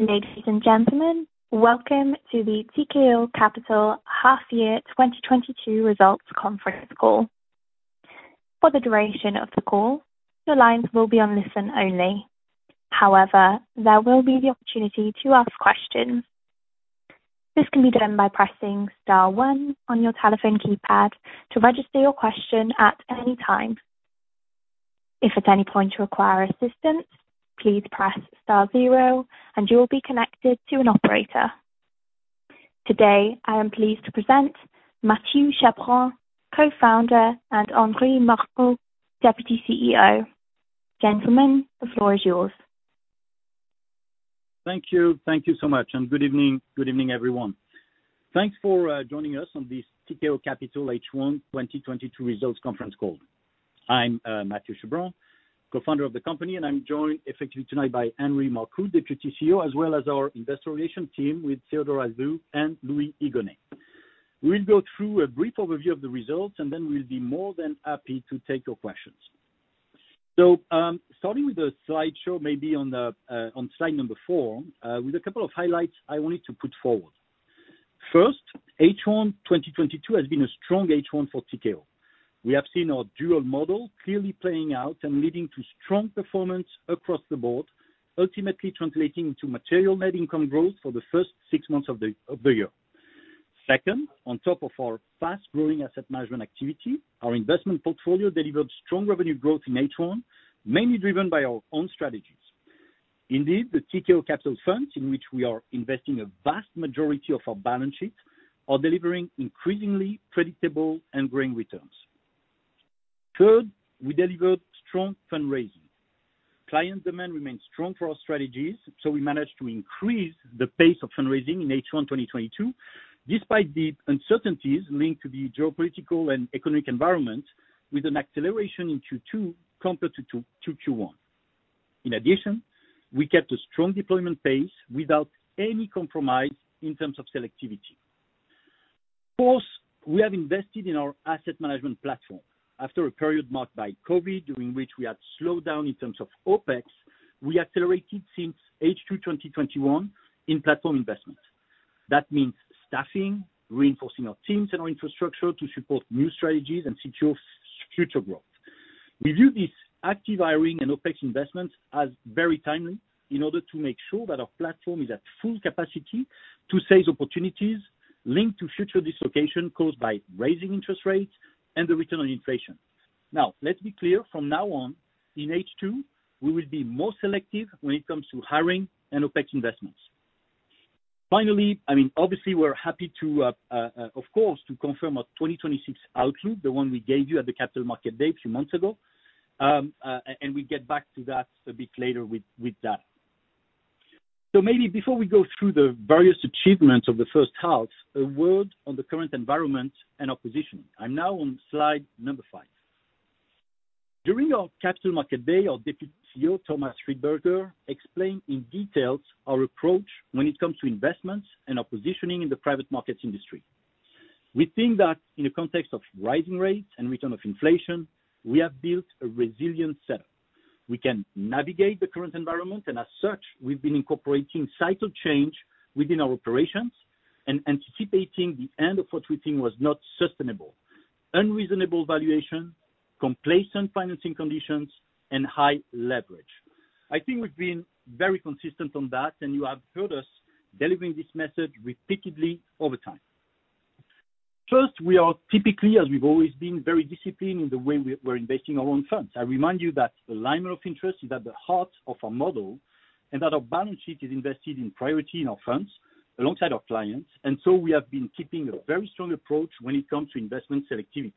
Ladies and gentlemen, welcome to the Tikehau Capital Half Year 2022 results conference call. For the duration of the call, your lines will be on listen only. However, there will be the opportunity to ask questions. This can be done by pressing star one on your telephone keypad to register your question at any time. If at any point you require assistance, please press star zero, and you will be connected to an operator. Today, I am pleased to present Mathieu Chabran, Co-founder, and Henri Marcoux, Deputy CEO. Gentlemen, the floor is yours. Thank you. Thank you so much, and good evening, everyone. Thanks for joining us on this Tikehau Capital H1 2022 results conference call. I'm Mathieu Chabran, Co-founder of the company, and I'm joined effectively tonight by Henri Marcoux, Deputy CEO, as well as our Investor Relation Team with Théodora XU and Louis Igonet. We'll go through a brief overview of the results, and then we'll be more than happy to take your questions. Starting with the slideshow, maybe on slide number four, with a couple of highlights I wanted to put forward. First, H1 2022 has been a strong H1 for Tikehau. We have seen our dual model clearly playing out and leading to strong performance across the board, ultimately translating to material net income growth for the first six months of the year. Second, on top of our fast-growing asset management activity, our investment portfolio delivered strong revenue growth in H1, mainly driven by our own strategies. Indeed, the Tikehau Capital Funds, in which we are investing a vast majority of our balance sheets, are delivering increasingly predictable and growing returns. Third, we delivered strong fundraising. Client demand remains strong for our strategies, so we managed to increase the pace of fundraising in H1 2022, despite the uncertainties linked to the geopolitical and economic environment with an acceleration in Q2 compared to Q1. In addition, we kept a strong deployment pace without any compromise in terms of selectivity. Fourth, we have invested in our asset management platform. After a period marked by COVID, during which we had slowed down in terms of OpEx, we accelerated since H2 2021 in platform investments. That means staffing, reinforcing our teams and our infrastructure to support new strategies and secure future growth. We view this active hiring and OpEx investments as very timely in order to make sure that our platform is at full capacity to seize opportunities linked to future dislocation caused by rising interest rates and the return of inflation. Now, let's be clear, from now on, in H2, we will be more selective when it comes to hiring and OpEx investments. Finally, I mean, obviously, we're happy to, of course, to confirm our 2026 outlook, the one we gave you at the Capital Markets Day a few months ago. We get back to that a bit later with that. Maybe before we go through the various achievements of the first half, a word on the current environment and our position. I'm now on slide number five. During our Capital Markets Day, our Deputy CEO, Thomas Friedberger, explained in detail our approach when it comes to investments and our positioning in the private markets industry. We think that in the context of rising rates and return of inflation, we have built a resilient setup. We can navigate the current environment, and as such, we've been incorporating cycle change within our operations and anticipating the end of what we think was not sustainable. Unreasonable valuation, complacent financing conditions, and high leverage. I think we've been very consistent on that, and you have heard us delivering this message repeatedly over time. First, we are typically, as we've always been, very disciplined in the way we're investing our own funds. I remind you that alignment of interest is at the heart of our model and that our balance sheet is invested in priority in our funds alongside our clients. We have been keeping a very strong approach when it comes to investment selectivity.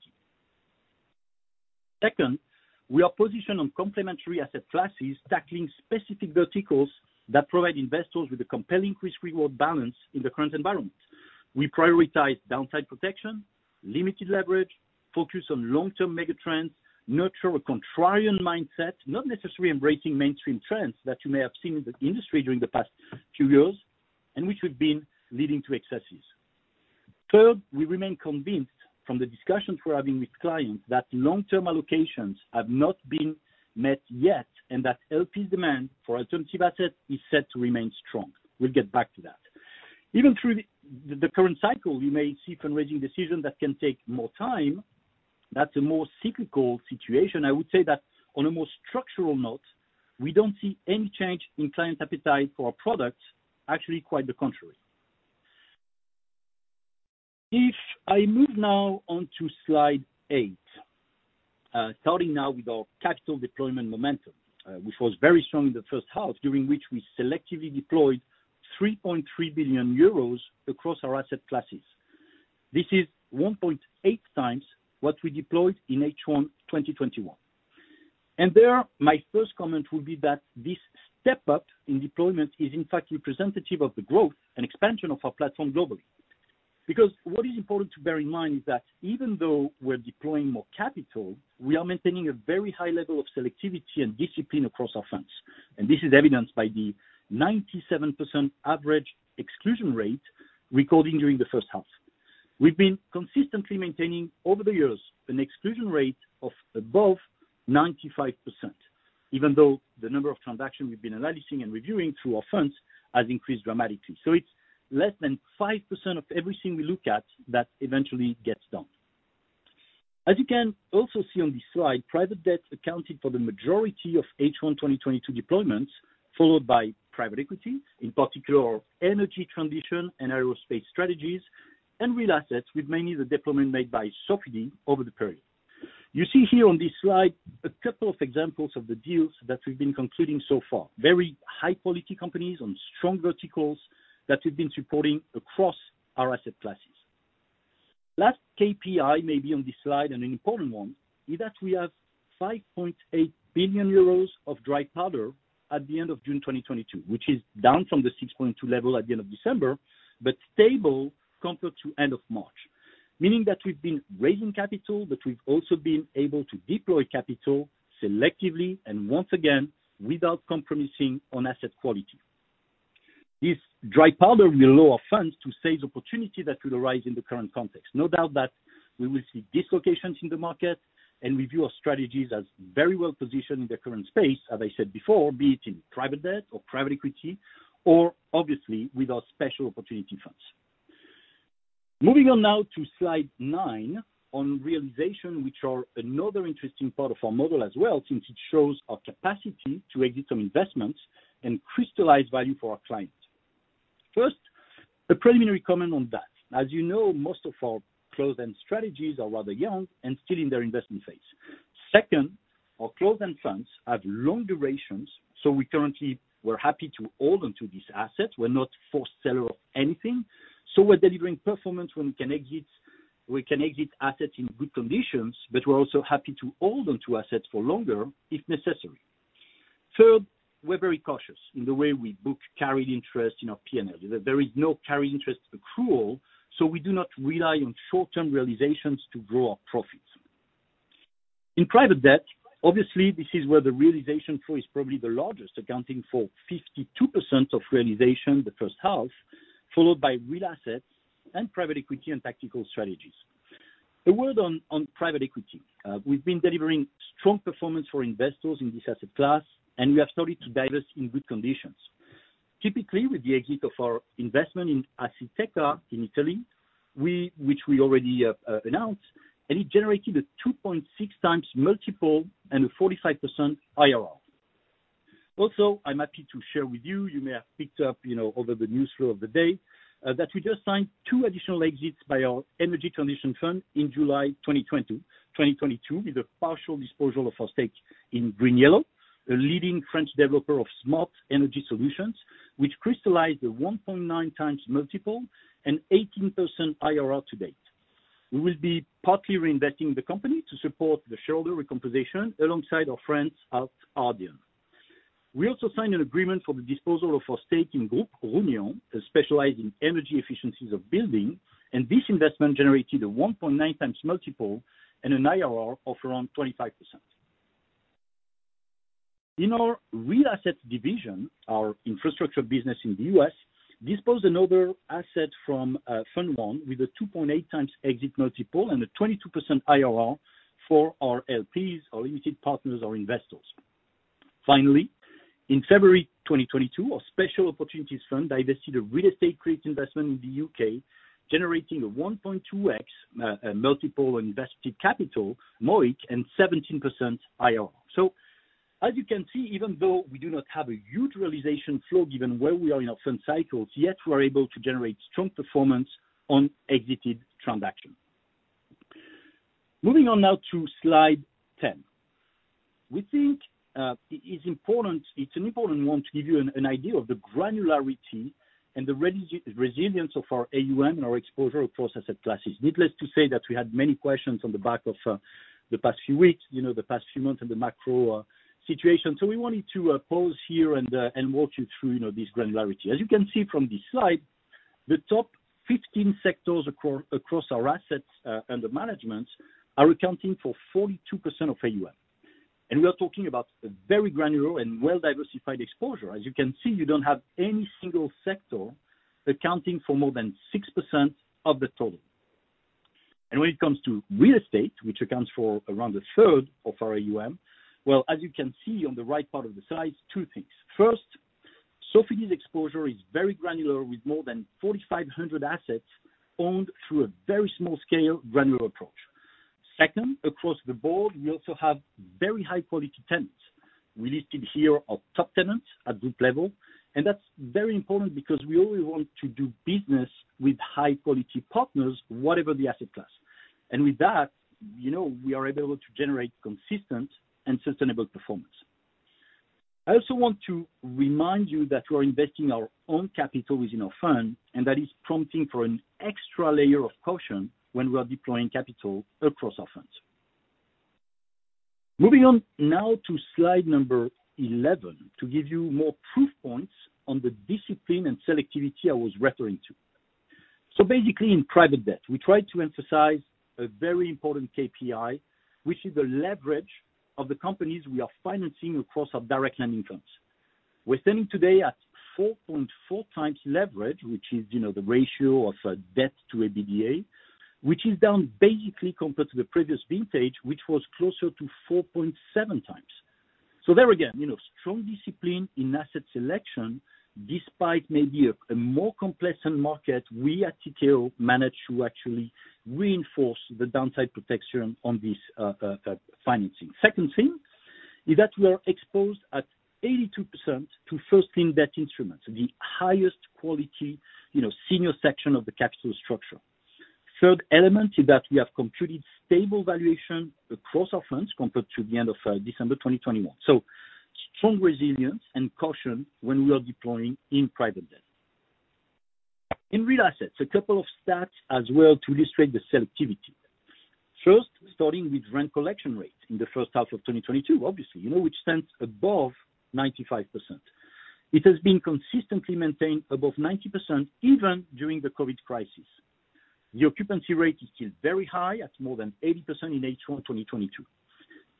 Second, we are positioned on complementary asset classes, tackling specific verticals that provide investors with a compelling risk-reward balance in the current environment. We prioritize downside protection, limited leverage, focus on long-term mega trends, nurture a contrarian mindset, not necessarily embracing mainstream trends that you may have seen in the industry during the past few years, and which have been leading to excesses. Third, we remain convinced from the discussions we're having with clients that long-term allocations have not been met yet, and that LP demand for alternative assets is set to remain strong. We'll get back to that. Even through the current cycle, we may see fundraising decisions that can take more time. That's a more cyclical situation. I would say that on a more structural note, we don't see any change in client appetite for our products. Actually, quite the contrary. If I move now onto slide eight, starting now with our capital deployment momentum, which was very strong in the first half, during which we selectively deployed 3.3 billion euros across our asset classes. This is 1.8x what we deployed in H1 2021. There, my first comment would be that this step up in deployment is, in fact, representative of the growth and expansion of our platform globally. What is important to bear in mind is that even though we're deploying more capital, we are maintaining a very high level of selectivity and discipline across our funds, and this is evidenced by the 97% average exclusion rate recorded during the first half. We've been consistently maintaining over the years an exclusion rate of above 95%, even though the number of transactions we've been analyzing and reviewing through our funds has increased dramatically. It's less than 5% of everything we look at that eventually gets done. As you can also see on this slide, private debt accounted for the majority of H1 2022 deployments, followed by private equity, in particular energy transition and aerospace strategies, and real assets, with mainly the deployment made by Sofidy over the period. You see here on this slide a couple of examples of the deals that we've been concluding so far. Very high-quality companies on strong verticals that we've been supporting across our asset classes. Last KPI maybe on this slide, and an important one, is that we have 5.8 billion euros of dry powder at the end of June 2022, which is down from the 6.2 billion level at the end of December, but stable compared to end of March. Meaning that we've been raising capital, but we've also been able to deploy capital selectively, and once again, without compromising on asset quality. This dry powder will allow our funds to seize opportunity that will arise in the current context. No doubt that we will see dislocations in the market and view our strategies as very well positioned in the current space, as I said before, be it in private debt or private equity or obviously with our special opportunity funds. Moving on now to slide nine on realization, which are another interesting part of our model as well, since it shows our capacity to exit some investments and crystallize value for our clients. First, a preliminary comment on that. As you know, most of our closed-end strategies are rather young and still in their investment phase. Second, our closed-end funds have long durations, so we're currently happy to hold on to these assets. We're not forced seller of anything, so we're delivering performance when we can exit. We can exit assets in good conditions, but we're also happy to hold on to assets for longer if necessary. Third, we're very cautious in the way we book carried interest in our P&L. There is no carried interest accrual, so we do not rely on short-term realizations to grow our profits. In private debt, obviously this is where the realization flow is probably the largest, accounting for 52% of realizations in the first half, followed by real assets, and private equity, and tactical strategies. A word on private equity. We've been delivering strong performance for investors in this asset class, and we have started to divest in good conditions. Typically, with the exit of our investment in Assiteca in Italy, which we already announced, and it generated a 2.6x multiple and a 45% IRR. I'm happy to share with you may have picked up over the news flow of the day, that we just signed two additional exits by our energy transition fund in July 2022, with a partial disposal of our stake in GreenYellow, a leading French developer of smart energy solutions, which crystallized a 1.9x multiple and 18% IRR to date. We will be partly reinvesting the company to support the shareholder recomposition alongside our friends at Ardian. We also signed an agreement for the disposal of our stake in Groupe Hellio, which specialize in energy efficiencies of building, and this investment generated a 1.9x multiple and an IRR of around 25%. In our real asset division, our infrastructure business in the U.S. disposed another asset from fund one with a 2.8x exit multiple and a 22% IRR for our LPs, our limited partners or investors. Finally, in February 2022, our special opportunities fund divested a real estate credit investment in the U.K., generating a 1.2x multiple on invested capital, MOIC, and 17% IRR. As you can see, even though we do not have a huge realization flow given where we are in our fund cycles, yet we are able to generate strong performance on exited transactions. Moving on now to slide 10. We think it is important, it's an important one to give you an idea of the granularity and the resilience of our AUM and our exposure across asset classes. Needless to say that we had many questions on the back of the past few weeks, you know, the past few months and the macro situation. We wanted to pause here and and walk you through, you know, this granularity. As you can see from this slide, the top 15 sectors across our assets under management are accounting for 42% of AUM. We are talking about a very granular and well-diversified exposure. As you can see, you don't have any single sector accounting for more than 6% of the total. When it comes to real estate, which accounts for around a third of our AUM, well, as you can see on the right part of the slide, two things. First, Sofidy's exposure is very granular, with more than 4,500 assets owned through a very small-scale granular approach. Second, across the board, we also have very high-quality tenants. We listed here our top tenants at group level, and that's very important because we only want to do business with high-quality partners, whatever the asset class. With that, you know, we are able to generate consistent and sustainable performance. I also want to remind you that we're investing our own capital within our fund, and that is prompting for an extra layer of caution when we are deploying capital across our funds. Moving on now to slide number 11, to give you more proof points on the discipline and selectivity I was referring to. Basically, in private debt, we try to emphasize a very important KPI, which is the leverage of the companies we are financing across our direct lending funds. We're standing today at 4.4x leverage, which is, you know, the ratio of debt to EBITDA, which is down basically compared to the previous vintage, which was closer to 4.7x. There again, you know, strong discipline in asset selection despite maybe a more complex market. We at Tikehau managed to actually reinforce the downside protection on this financing. Second thing is that we are exposed at 82% to first lien debt instruments, the highest quality, you know, senior section of the capital structure. Third element is that we have computed stable valuation across our funds compared to the end of December 2021. Strong resilience and caution when we are deploying in private debt. In real assets, a couple of stats as well to illustrate the selectivity. First, starting with rent collection rate in the first half of 2022, obviously, you know, which stands above 95%. It has been consistently maintained above 90% even during the COVID crisis. The occupancy rate is still very high at more than 80% in H1 of 2022.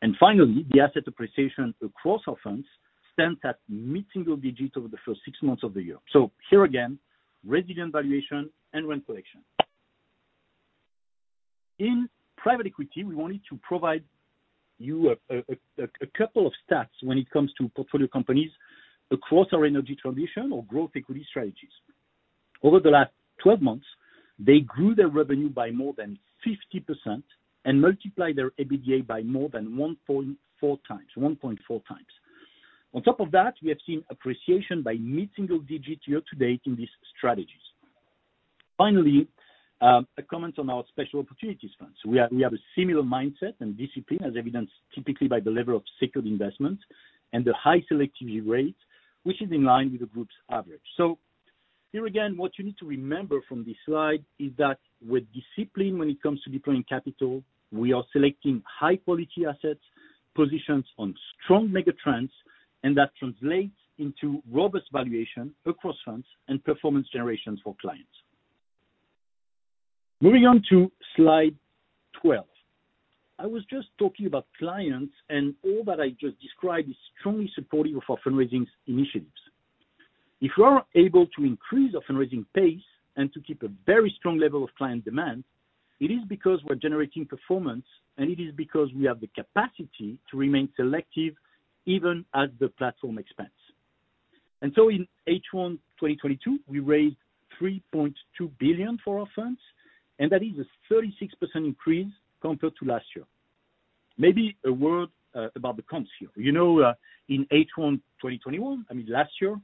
And finally, the asset appreciation across our funds stands at mid-single digits over the first six months of the year. Here again, resilient valuation and rent collection. In private equity, we wanted to provide you a couple of stats when it comes to portfolio companies across our energy transition or growth equity strategies. Over the last 12 months, they grew their revenue by more than 50% and multiplied their EBITDA by more than 1.4x. On top of that, we have seen appreciation by mid-single digits year-to-date in these strategies. Finally, a comment on our special opportunities fund. We have a similar mindset and discipline as evidenced typically by the level of secured investment and the high selectivity rate, which is in line with the group's average. Here again, what you need to remember from this slide is that with discipline when it comes to deploying capital, we are selecting high quality assets, positions on strong megatrends, and that translates into robust valuation across funds and performance generations for clients. Moving on to slide 12. I was just talking about clients, and all that I just described is strongly supportive of our fundraising initiatives. If we are able to increase our fundraising pace and to keep a very strong level of client demand, it is because we're generating performance, and it is because we have the capacity to remain selective even at the platform expense. In H1 2022, we raised 3.2 billion for our funds, and that is a 36% increase compared to last year. Maybe a word about the cons here. You know, in H1 2021, I mean, last year,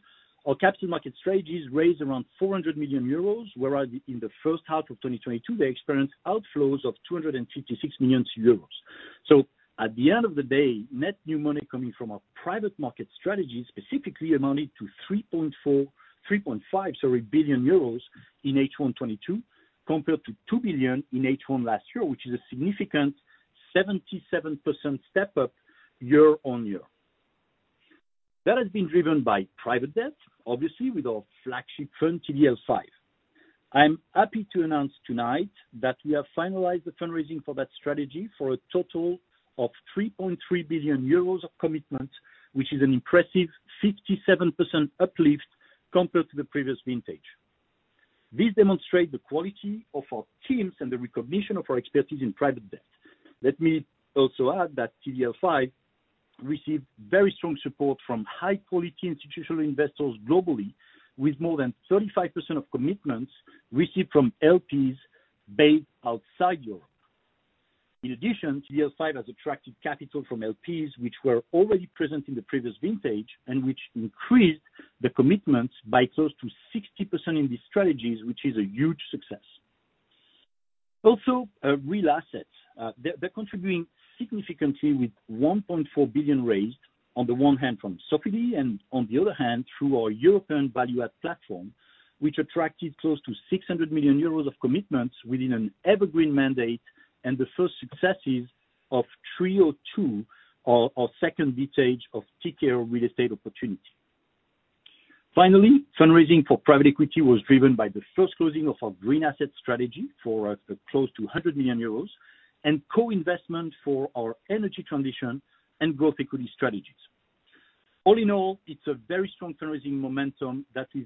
our capital market strategies raised around 400 million euros, whereas in the first half of 2022, they experienced outflows of 256 million euros. At the end of the day, net new money coming from our private market strategy, specifically amounted to 3.5 billion euros in H1 2022, compared to 2 billion in H1 last year, which is a significant 77% step-up year-on-year. That has been driven by private debt, obviously with our flagship fund, TDL V. I'm happy to announce tonight that we have finalized the fundraising for that strategy for a total of 3.3 billion euros of commitment, which is an impressive 57% uplift compared to the previous vintage. This demonstrate the quality of our teams and the recognition of our expertise in private debt. Let me also add that TDL V received very strong support from high quality institutional investors globally with more than 35% of commitments received from LPs based outside Europe. In addition, TDL V has attracted capital from LPs which were already present in the previous vintage and which increased the commitments by close to 60% in these strategies, which is a huge success. Also, real assets. They're contributing significantly with 1.4 billion raised, on the one hand from Sofidy, and on the other hand, through our European value add platform, which attracted close to 600 million euros of commitments within an evergreen mandate and the first successes of TREO II, our second vintage of Tikehau Real Estate Opportunity. Finally, fundraising for private equity was driven by the first closing of our Green Assets strategy for close to 100 million euros and co-investment for our energy transition and growth equity strategies. All in all, it's a very strong fundraising momentum that is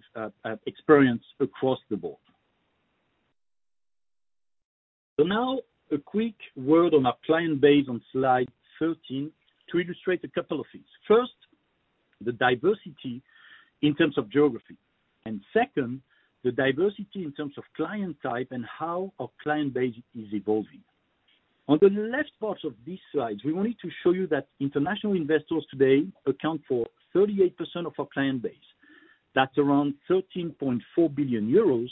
experienced across the board. Now a quick word on our client base on slide 13 to illustrate a couple of things. First, the diversity in terms of geography, and second, the diversity in terms of client type and how our client base is evolving. On the left part of this slide, we wanted to show you that international investors today account for 38% of our client base. That's around 13.4 billion euros,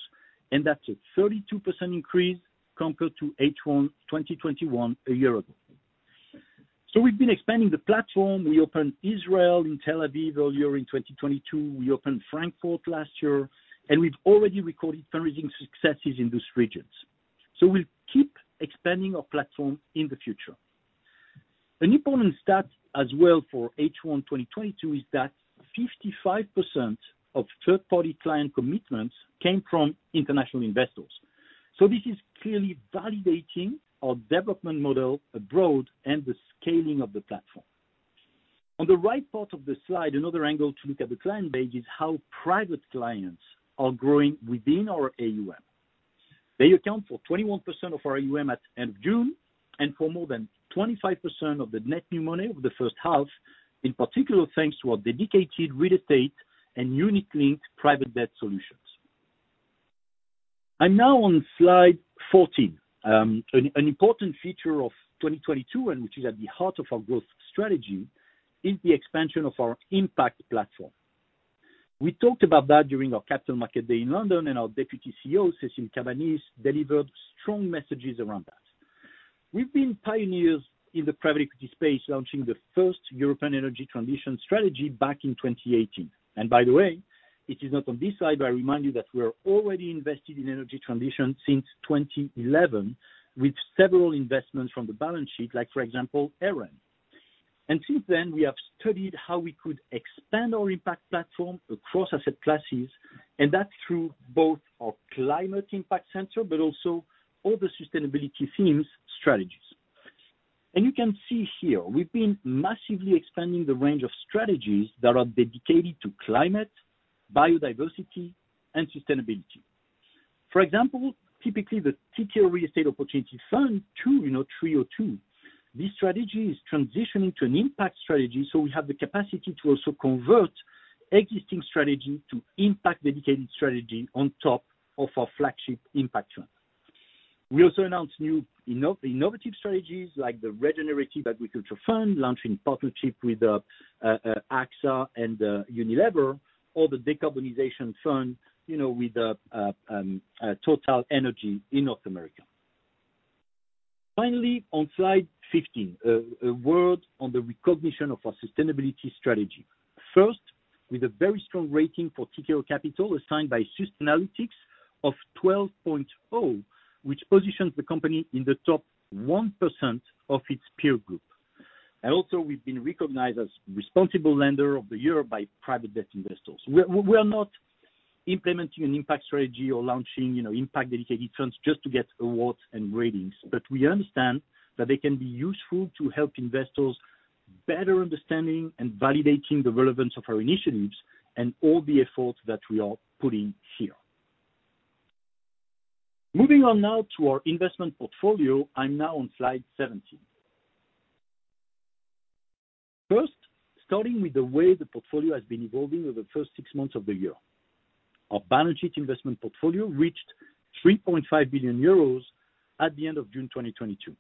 and that's a 32% increase compared to H1 2021 a year ago. We've been expanding the platform. We opened Israel in Tel Aviv earlier in 2022. We opened Frankfurt last year, and we've already recorded fundraising successes in those regions. We'll keep expanding our platform in the future. An important stat as well for H1 2022 is that 55% of third-party client commitments came from international investors. This is clearly validating our development model abroad and the scaling of the platform. On the right part of the slide, another angle to look at the client base is how private clients are growing within our AUM. They account for 21% of our AUM at end of June, and for more than 25% of the net new money over the first half, in particular, thanks to our dedicated real estate and unique link private debt solutions. I'm now on slide 14. An important feature of 2022, and which is at the heart of our growth strategy, is the expansion of our impact platform. We talked about that during our capital market day in London, and our Deputy CEO, Cécile Cabanis, delivered strong messages around that. We've been pioneers in the private equity space, launching the first European energy transition strategy back in 2018. By the way, it is not on this side, but I remind you that we are already invested in energy transition since 2011, with several investments from the balance sheet, like for example, Aéro. Since then, we have studied how we could expand our impact platform across asset classes, and that through both our climate impact center, but also other sustainability themes strategies. You can see here, we've been massively expanding the range of strategies that are dedicated to climate, biodiversity, and sustainability. For example, typically the Tikehau Real Estate Opportunity Fund II, you know, TREO II. This strategy is transitioning to an impact strategy, so we have the capacity to also convert existing strategy to impact dedicated strategy on top of our flagship impact fund. We also announced new innovative strategies like the Regenerative Agriculture Fund, launched in partnership with AXA and Unilever, or the Decarbonization Fund, you know, with TotalEnergies in North America. Finally, on slide 15, a word on the recognition of our sustainability strategy. First, with a very strong rating for Tikehau Capital, assigned by Sustainalytics of 12.0, which positions the company in the top 1% of its peer group. Also, we've been recognized as responsible lender of the year by Private Debt Investor. We are not implementing an impact strategy or launching, you know, impact dedicated funds just to get awards and ratings. We understand that they can be useful to help investors better understanding and validating the relevance of our initiatives and all the efforts that we are putting here. Moving on now to our investment portfolio. I'm now on slide 17. First, starting with the way the portfolio has been evolving over the first six months of the year. Our balance sheet investment portfolio reached 3.5 billion euros at the end of June 2022.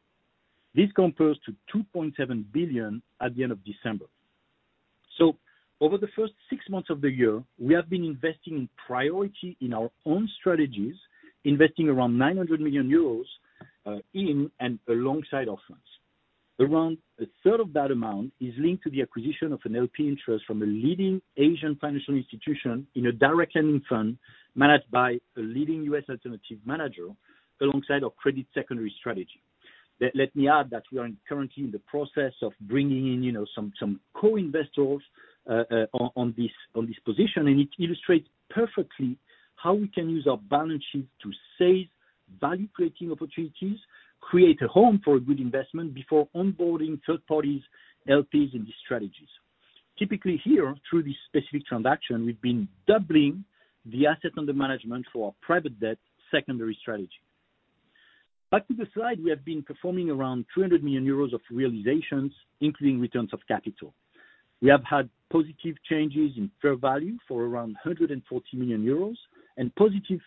This compares to 2.7 billion at the end of December. Over the first six months of the year, we have been investing in priority in our own strategies, investing around 900 million euros in and alongside our funds. Around a third of that amount is linked to the acquisition of an LP interest from a leading Asian financial institution in a direct lending fund managed by a leading U.S. alternative manager, alongside our credit secondary strategy. Let me add that we are currently in the process of bringing in, you know, some co-investors on this position, and it illustrates perfectly how we can use our balance sheet to seize value-creating opportunities, create a home for a good investment before onboarding third parties, LPs in these strategies. Typically here, through this specific transaction, we've been doubling the assets under management for our private debt secondary strategy. Back to the slide, we have realized around 200 million euros of realizations, including returns of capital. We have had positive changes in fair value for around 140 million euros , and positive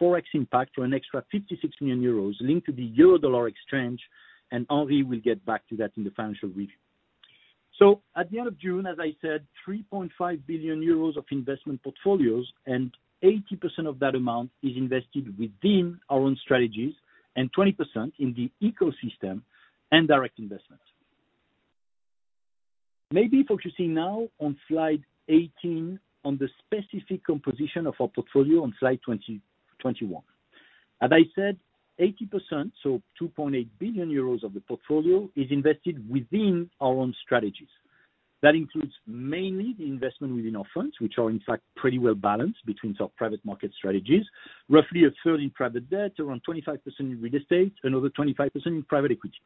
Forex impact for an extra 56 million euros linked to the euro-dollar exchange, and Henri will get back to that in the financial review. At the end of June, as I said, 3.5 billion euros of investment portfolios, and 80% of that amount is invested within our own strategies, and 20% in the ecosystem and direct investments. Maybe focusing now on slide 18 on the specific composition of our portfolio on slide 20-21. As I said, 80%, so 2.8 billion euros of the portfolio is invested within our own strategies. That includes mainly the investment within our funds, which are in fact pretty well balanced between our private market strategies. Roughly a third in private debt, around 25% in real estate, another 25% in private equity.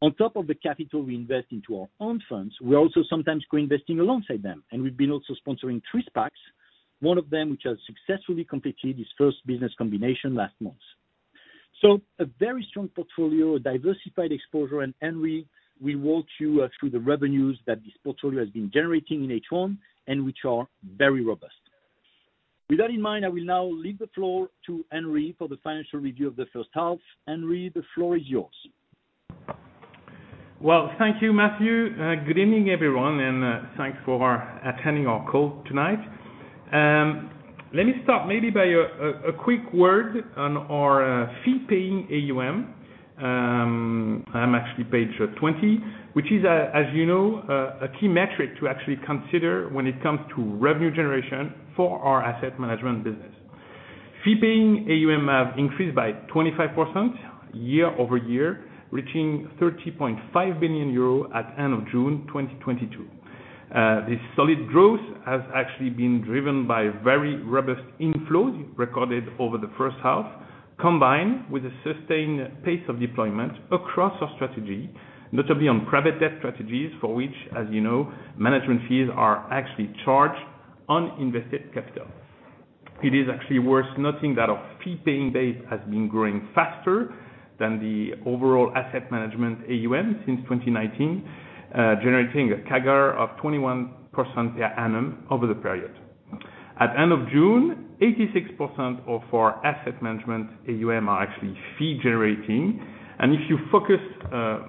On top of the capital we invest into our own funds, we're also sometimes co-investing alongside them. We've been also sponsoring three SPACs. One of them, which has successfully completed its first business combination last month. A very strong portfolio, a diversified exposure, and Henri will walk you through the revenues that this portfolio has been generating in H1, and which are very robust. With that in mind, I will now leave the floor to Henri for the financial review of the first half. Henri, the floor is yours. Well, thank you, Mathieu. Good evening, everyone, and thanks for attending our call tonight. Let me start maybe by a quick word on our fee-paying AUM. I'm actually page 20, which is, as you know, a key metric to actually consider when it comes to revenue generation for our asset management business. Fee paying AUM have increased by 25% year-over-year, reaching 30.5 billion euro at end of June 2022. This solid growth has actually been driven by very robust inflows recorded over the first half, combined with a sustained pace of deployment across our strategy, notably on private debt strategies, for which, as you know, management fees are actually charged on invested capital. It is actually worth noting that our fee-paying base has been growing faster than the overall asset management AUM since 2019, generating a CAGR of 21% per annum over the period. At end of June, 86% of our asset management AUM are actually fee generating. If you focus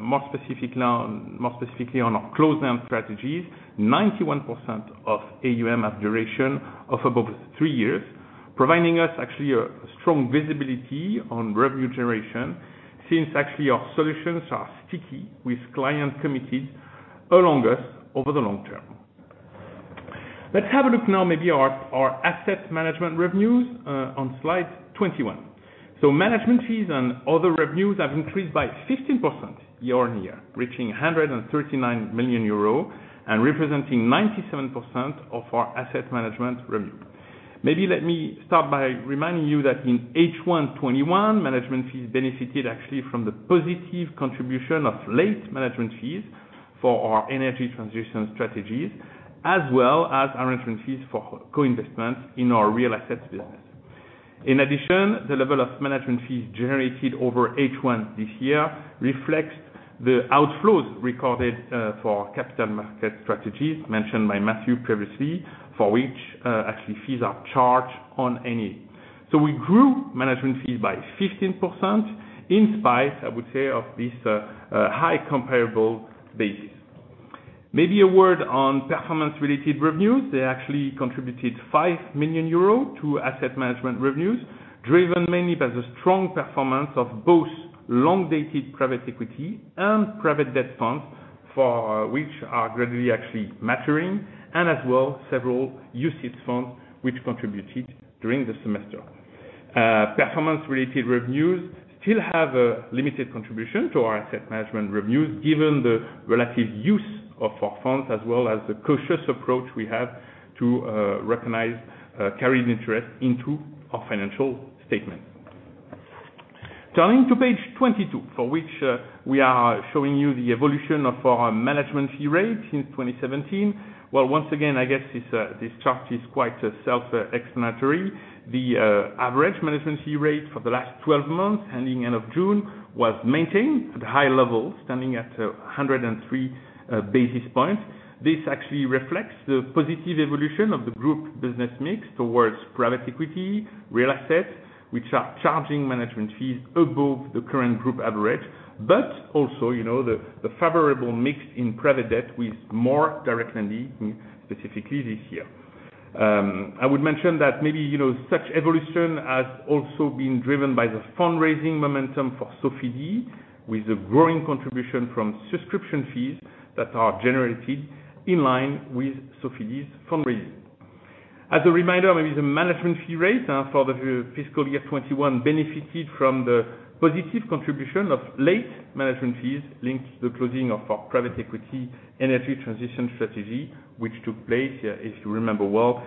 more specifically on our closed-end strategies, 91% of AUM have duration of above three years, providing us actually a strong visibility on revenue generation, since actually our solutions are sticky with clients committed alongside us over the long term. Let's have a look now maybe our asset management revenues on slide 21. Management fees and other revenues have increased by 15% year-on-year, reaching 139 million euros and representing 97% of our asset management revenue. Maybe let me start by reminding you that in H1 2021, management fees benefited actually from the positive contribution of late management fees for our energy transition strategies, as well as arrangement fees for co-investments in our real assets business. In addition, the level of management fees generated over H1 this year reflects the outflows recorded for capital markets strategies mentioned by Mathieu previously, for which actually fees are charged on AUM. We grew management fees by 15% in spite, I would say, of this high comparable basis. Maybe a word on performance-related revenues. They actually contributed 5 million euros to asset management revenues, driven mainly by the strong performance of both long-dated private equity and private debt funds, for which are gradually actually maturing, and as well, several UCITS funds which contributed during the semester. Performance-related revenues still have a limited contribution to our asset management revenues, given the relative youth of our funds, as well as the cautious approach we have to recognize carried interest into our financial statement. Turning to page 22, for which we are showing you the evolution of our management fee rate since 2017. Once again, this chart is quite self-explanatory. The average management fee rate for the last 12 months, ending end of June, was maintained at high levels, standing at 103 basis points. This actually reflects the positive evolution of the group business mix towards private equity, real assets, which are charging management fees above the current group average, but also, you know, the favorable mix in private debt with more direct lending, specifically this year. I would mention that maybe, you know, such evolution has also been driven by the fundraising momentum for Sofidy, with a growing contribution from subscription fees that are generated in line with Sofidy's fundraising. As a reminder, maybe the management fee rate for the fiscal year 2021 benefited from the positive contribution of late management fees linked to the closing of our private equity energy transition strategy, which took place, if you remember well,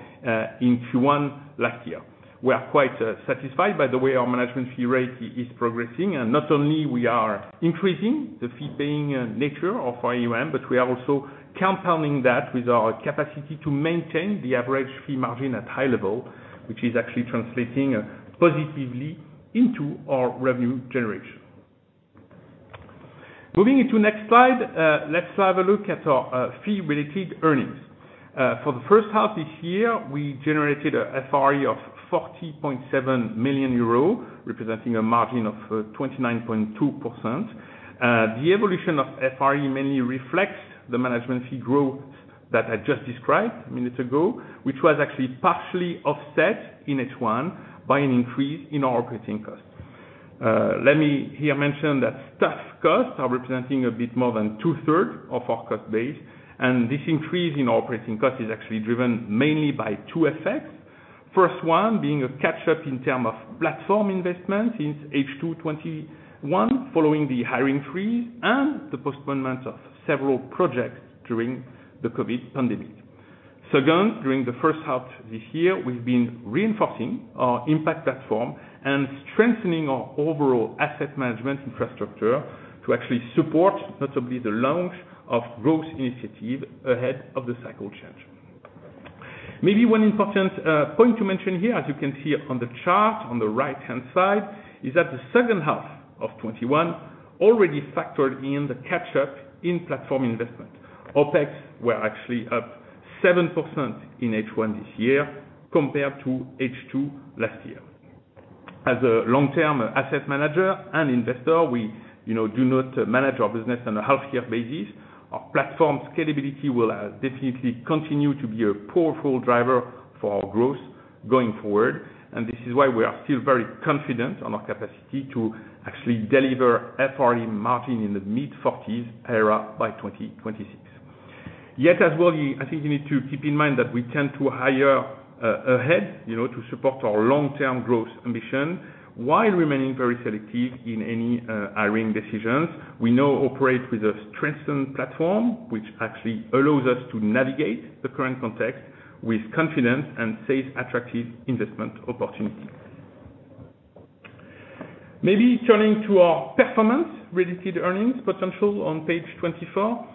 in Q1 last year. We are quite satisfied by the way our management fee rate is progressing, and not only we are increasing the fee paying nature of our AUM, but we are also compounding that with our capacity to maintain the average fee margin at high level, which is actually translating positively into our revenue generation. Moving into next slide, let's have a look at our fee-related earnings. For the first half this year, we generated a FRE of 40.7 million euros, representing a margin of 29.2%. The evolution of FRE mainly reflects the management fee growth that I just described minutes ago, which was actually partially offset in H1 by an increase in our operating costs. Let me here mention that staff costs are representing a bit more than two-thirds of our cost base, and this increase in operating costs is actually driven mainly by two effects. First one being a catch-up in terms of platform investment since H2 2021, following the hiring freeze and the postponement of several projects during the COVID pandemic. Second, during the first half this year, we've been reinforcing our impact platform and strengthening our overall asset management infrastructure to actually support notably the launch of growth initiative ahead of the cycle change. Maybe one important point to mention here, as you can see on the chart on the right-hand side, is that the second half of 2021 already factored in the catch-up in platform investment. OpEx were actually up 7% in H1 this year compared to H2 last year. As a long-term asset manager and investor, we, you know, do not manage our business on a half-year basis. Our platform scalability will definitely continue to be a powerful driver for our growth going forward, and this is why we are still very confident on our capacity to actually deliver FRE margin in the mid-40s era by 2026. Yet as well, I think you need to keep in mind that we tend to hire ahead, you know, to support our long-term growth ambition while remaining very selective in any hiring decisions. We now operate with a strengthened platform, which actually allows us to navigate the current context with confidence and seize attractive investment opportunities. Maybe turning to our performance-related earnings potential on page 24.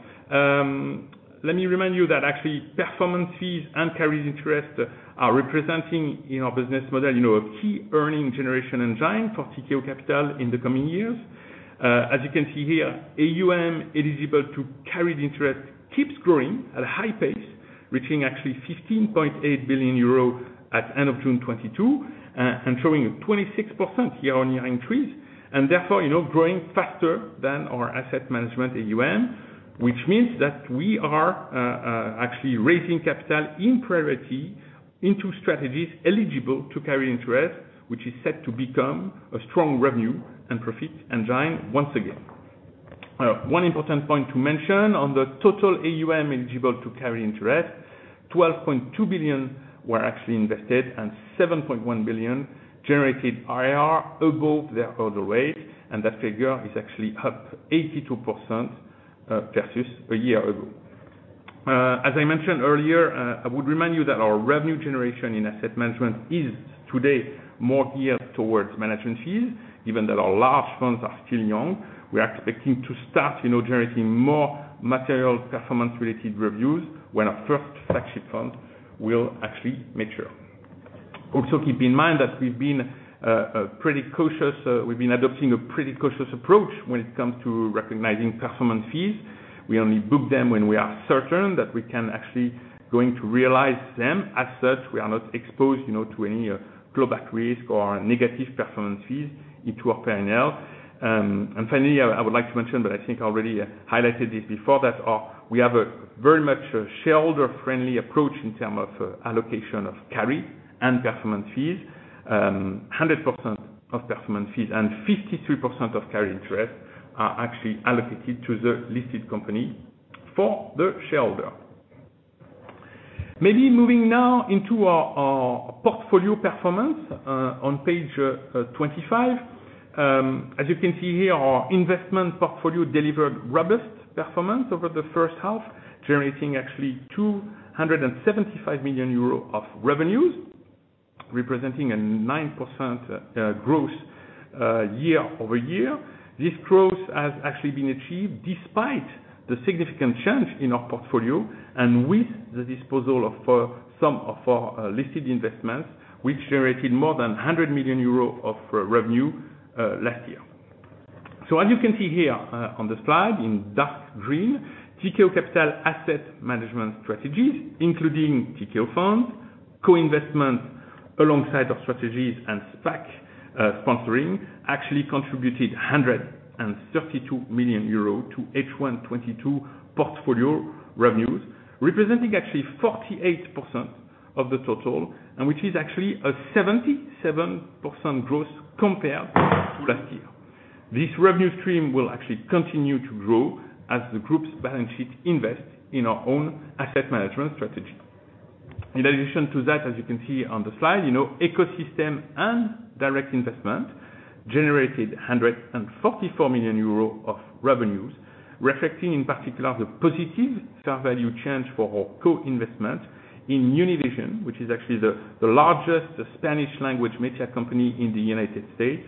Let me remind you that actually performance fees and carried interest are representing in our business model, you know, a key earning generation engine for Tikehau Capital in the coming years. As you can see here, AUM eligible to carried interest keeps growing at a high pace, reaching actually 15.8 billion euro at end of June 2022, and showing 26% year-on-year increase, and therefore, you know, growing faster than our asset management AUM, which means that we are, actually raising capital in priority into strategies eligible to carried interest, which is set to become a strong revenue and profit engine once again. One important point to mention on the total AUM eligible to carried interest, 12.2 billion were actually invested, and 7.1 billion generated IRR above their hurdle rate, and that figure is actually up 82%, versus a year ago. As I mentioned earlier, I would remind you that our revenue generation in asset management is today more geared towards management fees. Given that our large funds are still young, we are expecting to start, you know, generating more material performance-related revenues when our first flagship fund will actually mature. Also keep in mind that we've been pretty cautious. We've been adopting a pretty cautious approach when it comes to recognizing performance fees. We only book them when we are certain that we are actually going to realize them. As such, we are not exposed, you know, to any drawback risk or negative performance fees into our P&L. Finally, I would like to mention, but I think I already highlighted this before, that we have a very much shareholder-friendly approach in terms of allocation of carry and performance fees. 100% of performance fees and 52% of carry interest are actually allocated to the listed company for the shareholder. Maybe moving now into our portfolio performance on page 25. As you can see here, our investment portfolio delivered robust performance over the first half, generating actually 275 million euros of revenues, representing a 9% growth year-over-year. This growth has actually been achieved despite the significant change in our portfolio and with the disposal of some of our listed investments, which generated more than 100 million euros of revenue last year. As you can see here on the slide in dark green, Tikehau Capital asset management strategies, including Tikehau funds, co-investment alongside of strategies and SPAC sponsoring, actually contributed 132 million euros to H1 2022 portfolio revenues, representing actually 48% of the total, and which is actually a 77% growth compared to last year. This revenue stream will actually continue to grow as the group's balance sheet invest in our own asset management strategy. In addition to that, as you can see on the slide, you know, ecosystem and direct investment generated 144 million euros of revenues, reflecting, in particular, the positive fair value change for our co-investment in Univision, which is actually the largest Spanish language media company in the United States.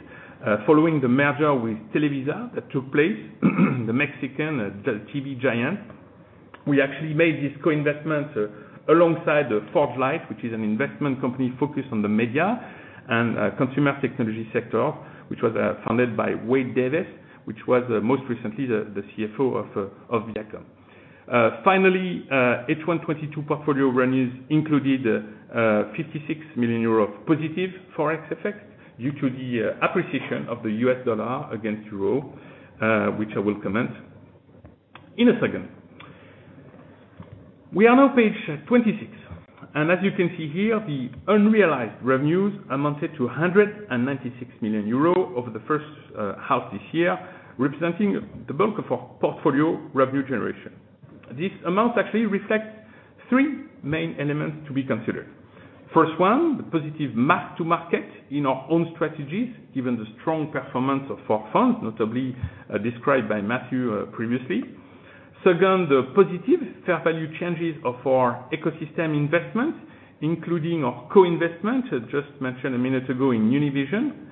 Following the merger with Televisa that took place, the Mexican TV giant. We actually made this co-investment alongside ForgeLight, which is an investment company focused on the media and consumer technology sector, which was founded by Wade Davis, which was most recently the CFO of Viacom. Finally, H1 2022 portfolio revenues included 56 million euros of positive Forex effect due to the appreciation of the US dollar against euro, which I will comment in a second. We are now page 26, and as you can see here, the unrealized revenues amounted to 196 million euros over the first half this year, representing the bulk of our portfolio revenue generation. This amount actually reflects three main elements to be considered. First one, the positive mark to market in our own strategies, given the strong performance of our funds, notably, described by Mathieu previously. Second, the positive fair value changes of our ecosystem investment, including our co-investment, I just mentioned a minute ago in Univision.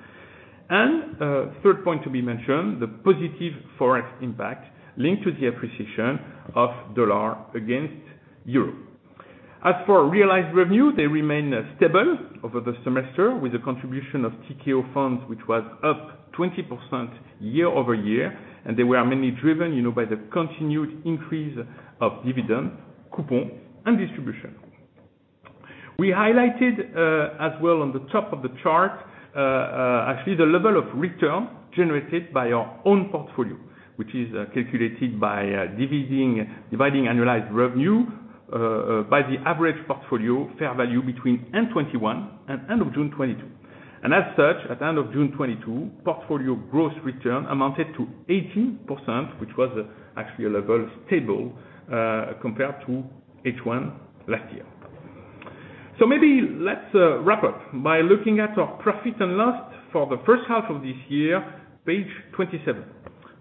Third point to be mentioned, the positive Forex impact linked to the appreciation of the US dollar against the euro. As for realized revenue, they remain stable over the semester with the contribution of Tikehau funds, which was up 20% year-over-year, and they were mainly driven, you know, by the continued increase of dividend, coupon and distribution. We highlighted, as well on the top of the chart, actually the level of return generated by our own portfolio, which is calculated by dividing annualized revenue by the average portfolio fair value between end 2021 and end of June 2022. As such, at end of June 2022, portfolio gross return amounted to 80%, which was actually a level stable, compared to H1 last year. Maybe let's wrap up by looking at our profit and loss for the first half of this year. Page 27.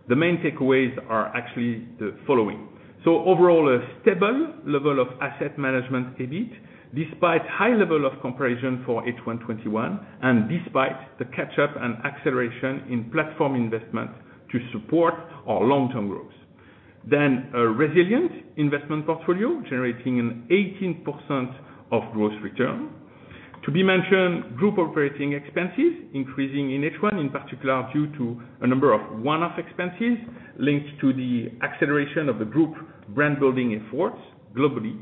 The main takeaways are actually the following. Overall, a stable level of asset management EBIT, despite high level of comparison for H1 2021, and despite the catch-up and acceleration in platform investment to support our long-term growth. A resilient investment portfolio generating an 18% gross return. To be mentioned, group operating expenses increasing in H1, in particular, due to a number of one-off expenses linked to the acceleration of the group brand-building efforts globally.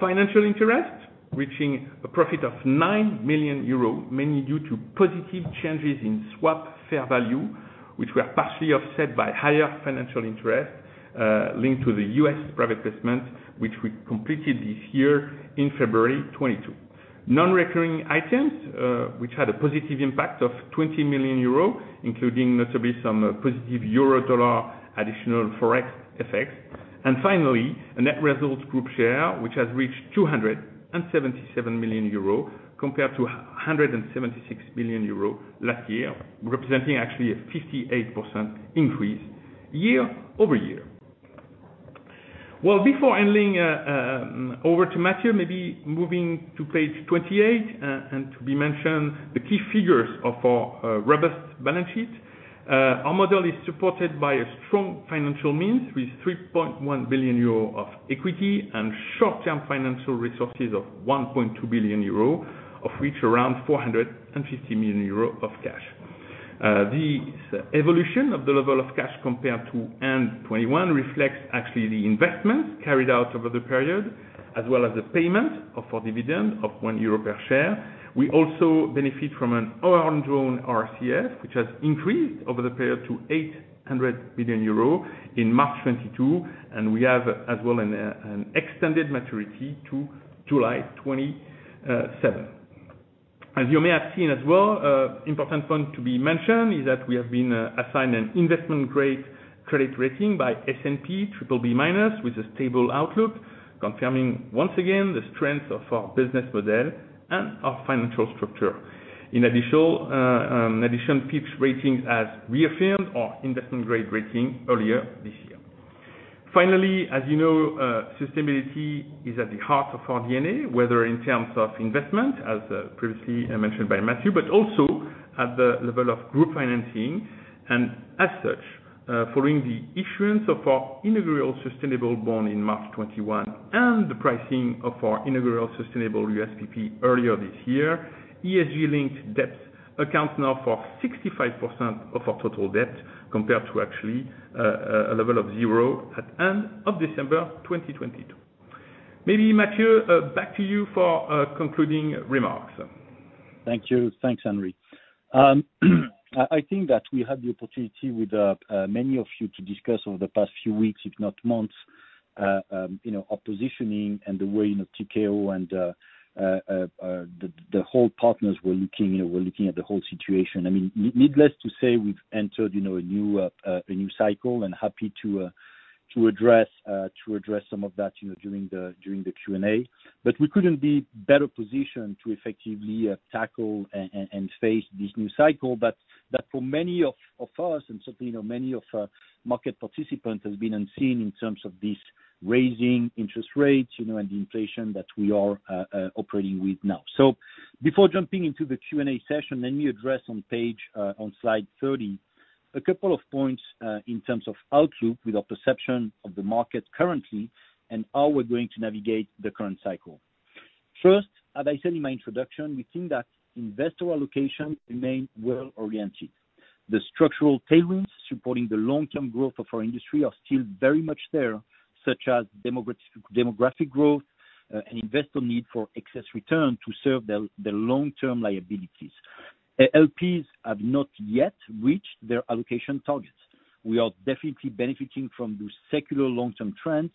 Financial interest reaching a profit of 9 million euros, mainly due to positive changes in swap fair value, which were partially offset by higher financial interest linked to the U.S. private placement, which we completed this year in February 2022. Non-recurring items, which had a positive impact of 20 million euros, including notably some positive euro-dollar additional Forex effects. Finally, a net result, Group share, which has reached 277 million euro compared to 176 million euro last year, representing actually a 58% increase year-over-year. Well, before handing over to Mathieu, maybe moving to page 28, and let me mention the key figures of our robust balance sheet. Our model is supported by a strong financial means with 3.1 billion euro of equity and short-term financial resources of 1.2 billion euro, of which around 450 million euro of cash. The evolution of the level of cash compared to end 2021 reflects actually the investments carried out over the period, as well as the payment of our dividend of 1 euro per share. We also benefit from an undrawn RCF, which has increased over the period to 800 billion euro in March 2022, and we have as well an extended maturity to July 2027. As you may have seen as well, important point to be mentioned is that we have been assigned an investment-grade credit rating by S&P BBB-, with a stable outlook, confirming once again the strength of our business model and our financial structure. In addition, Fitch Ratings has reaffirmed our investment-grade rating earlier this year. Finally, as you know, sustainability is at the heart of our DNA, whether in terms of investment, as previously mentioned by Mathieu, but also at the level of group financing. As such, following the issuance of our inaugural sustainable bond in March 2021 and the pricing of our inaugural sustainable USPP earlier this year, ESG-linked debt accounts now for 65% of our total debt, compared to actually a level of 0% at end of December 2022. Maybe Mathieu, back to you for concluding remarks. Thank you. Thanks, Henri. I think that we had the opportunity with many of you to discuss over the past few weeks, if not months, you know, our positioning and the way Tikehau and our partners were looking you know at the whole situation. I mean, needless to say, we've entered you know a new cycle and happy to address some of that you know during the Q&A. We couldn't be better positioned to effectively tackle and face this new cycle that for many of us and certainly you know many market participants has been unseen in terms of this rising interest rates you know and the inflation that we are operating with now. Before jumping into the Q&A session, let me address on page, on slide 30 a couple of points, in terms of outlook with our perception of the market currently and how we're going to navigate the current cycle. First, as I said in my introduction, we think that investor allocation remains well-oriented. The structural tailwinds supporting the long-term growth of our industry are still very much there, such as demographic growth, and investor need for excess return to serve the long-term liabilities. LPs have not yet reached their allocation targets. We are definitely benefiting from those secular long-term trends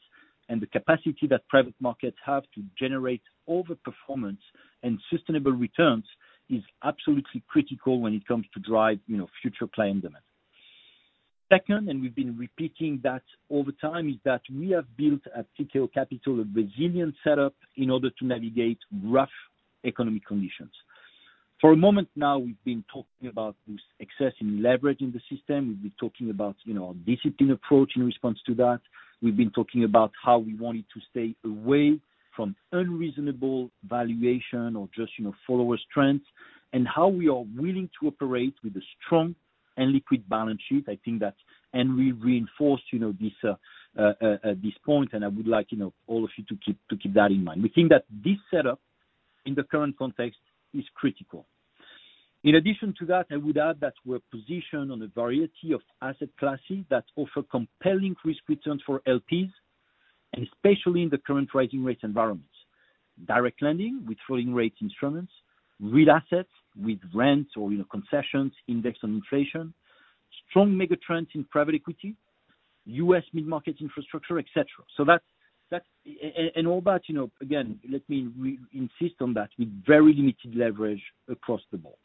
and the capacity that private markets have to generate overperformance and sustainable returns is absolutely critical when it comes to drive, you know, future claim demand. Second, we've been repeating that over time, is that we have built at Tikehau Capital a resilient setup in order to navigate rough economic conditions. For some time now, we've been talking about this excess in leverage in the system. We've been talking about, you know, our disciplined approach in response to that. We've been talking about how we wanted to stay away from unreasonable valuation or just, you know, following trends, and how we are willing to operate with a strong and liquid balance sheet. I think that Henri reinforced, you know, this point, and I would like, you know, all of you to keep that in mind. We think that this setup in the current context is critical. In addition to that, I would add that we're positioned on a variety of asset classes that offer compelling risk returns for LPs, and especially in the current rising rate environment. Direct lending with floating rate instruments, real assets with rent or, you know, concessions indexed on inflation, strong megatrends in private equity, U.S. mid-market infrastructure, et cetera. So that's and all that, you know, again, let me re-insist on that, with very limited leverage across the board.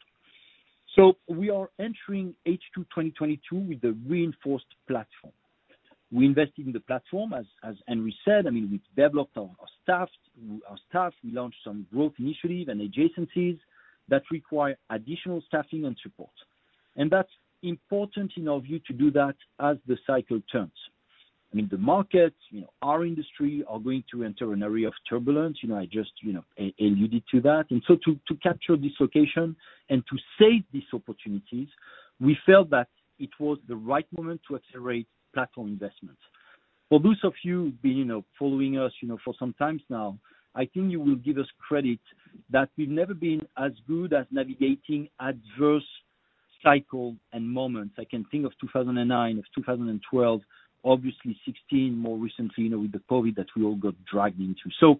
So we are entering H2 2022 with a reinforced platform. We invest in the platform, as Henry said, I mean, we've developed our staff. Our staff, we launched some growth initiatives and adjacencies that require additional staffing and support. That's important in our view to do that as the cycle turns. I mean, the markets, you know, our industry are going to enter an era of turbulence, you know, I just, you know, alluded to that. To capture this dislocation and to seize these opportunities, we felt that it was the right moment to accelerate platform investments. For those of you who've been, you know, following us, you know, for some time now, I think you will give us credit that we've never been as good as navigating adverse cycle and moments. I can think of 2009, of 2012, obviously 2016, more recently, you know, with the COVID that we all got dragged into.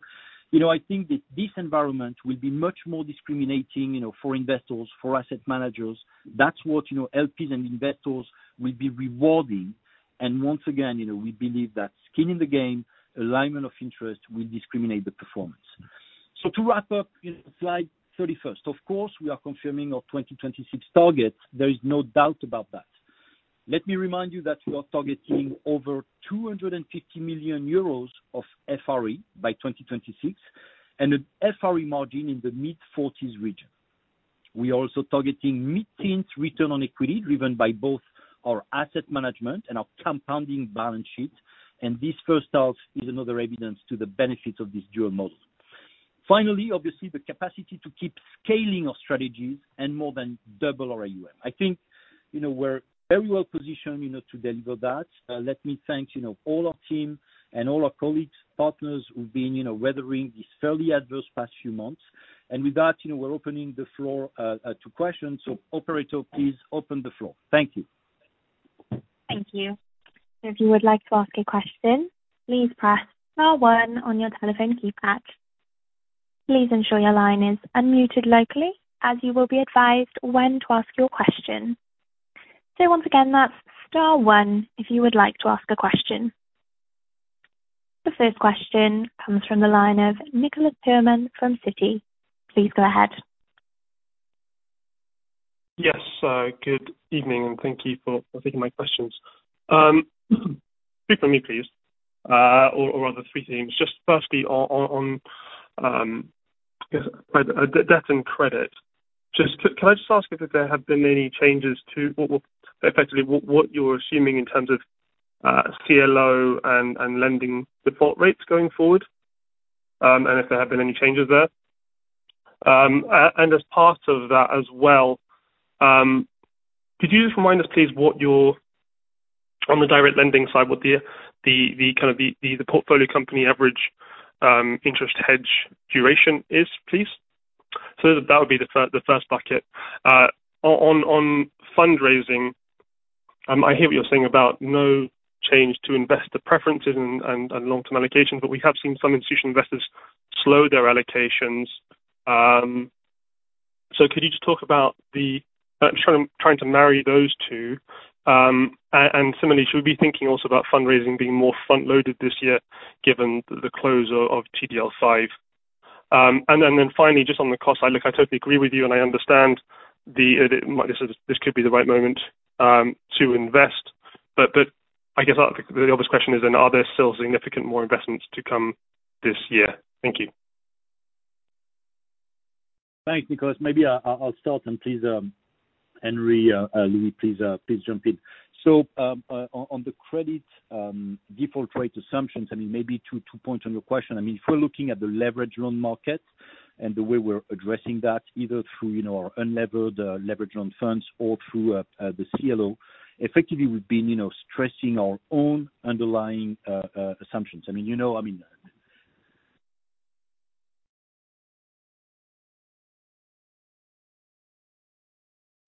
You know, I think that this environment will be much more discriminating, you know, for investors, for asset managers. That's what, you know, LPs and investors will be rewarding. Once again, you know, we believe that skin in the game, alignment of interest will discriminate the performance. To wrap up, you know, slide 31st. Of course, we are confirming our 2026 targets. There is no doubt about that. Let me remind you that we are targeting over 250 million euros of FRE by 2026, and an FRE margin in the mid-40s region. We are also targeting mid-teens return on equity driven by both our asset management and our compounding balance sheet. This first half is another evidence to the benefits of this dual model. Finally, obviously, the capacity to keep scaling our strategies and more than double our AUM. I think, you know, we're very well positioned, you know, to deliver that. Let me thank, you know, all our team and all our colleagues, partners who've been, you know, weathering these fairly adverse past few months. With that, you know, we're opening the floor to questions. Operator, please open the floor. Thank you. Thank you. If you would like to ask a question, please press star one on your telephone keypad. Please ensure your line is unmuted locally, as you will be advised when to ask your question. Once again, that's star one if you would like to ask a question. The first question comes from the line of Nicholas Herman from Citi. Please go ahead. Good evening, and thank you for taking my questions. Two for me, please. Or rather three things. Just firstly, on the debt and credit. Can I just ask if there have been any changes to what effectively you're assuming in terms of CLO and lending default rates going forward? And if there have been any changes there. And as part of that as well, could you just remind us, please, on the direct lending side, what the kind of the portfolio company average interest hedge duration is, please? That would be the first bucket. On fundraising, I hear what you're saying about no change to investor preferences and long-term allocations, but we have seen some institutional investors slow their allocations. Could you just talk about it? I'm trying to marry those two. Similarly, should we be thinking also about fundraising being more front-loaded this year given the close of TDL V? Then finally, just on the cost side. Look, I totally agree with you, and I understand like this is this could be the right moment to invest. I guess the obvious question is then are there still significant more investments to come this year? Thank you. Thanks, Nicholas. Maybe I'll start, and please, Henri, Louis, please jump in. On the credit default rate assumptions, I mean, maybe two points on your question. I mean, if we're looking at the leveraged loan market and the way we're addressing that, either through, you know, our unlevered leveraged loan funds or through the CLO, effectively, we've been, you know, stressing our own underlying assumptions.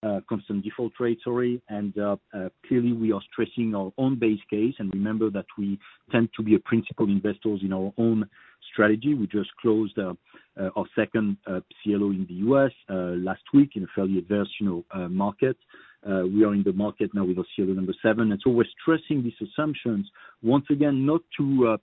I mean, you know, I mean constant default rates, sorry. Clearly, we are stressing our own base case. Remember that we tend to be a principal investors in our own strategy. We just closed our second CLO in the US last week in a fairly adverse, you know, market. We are in the market now with our CLO number seven. We're stressing these assumptions once again, not to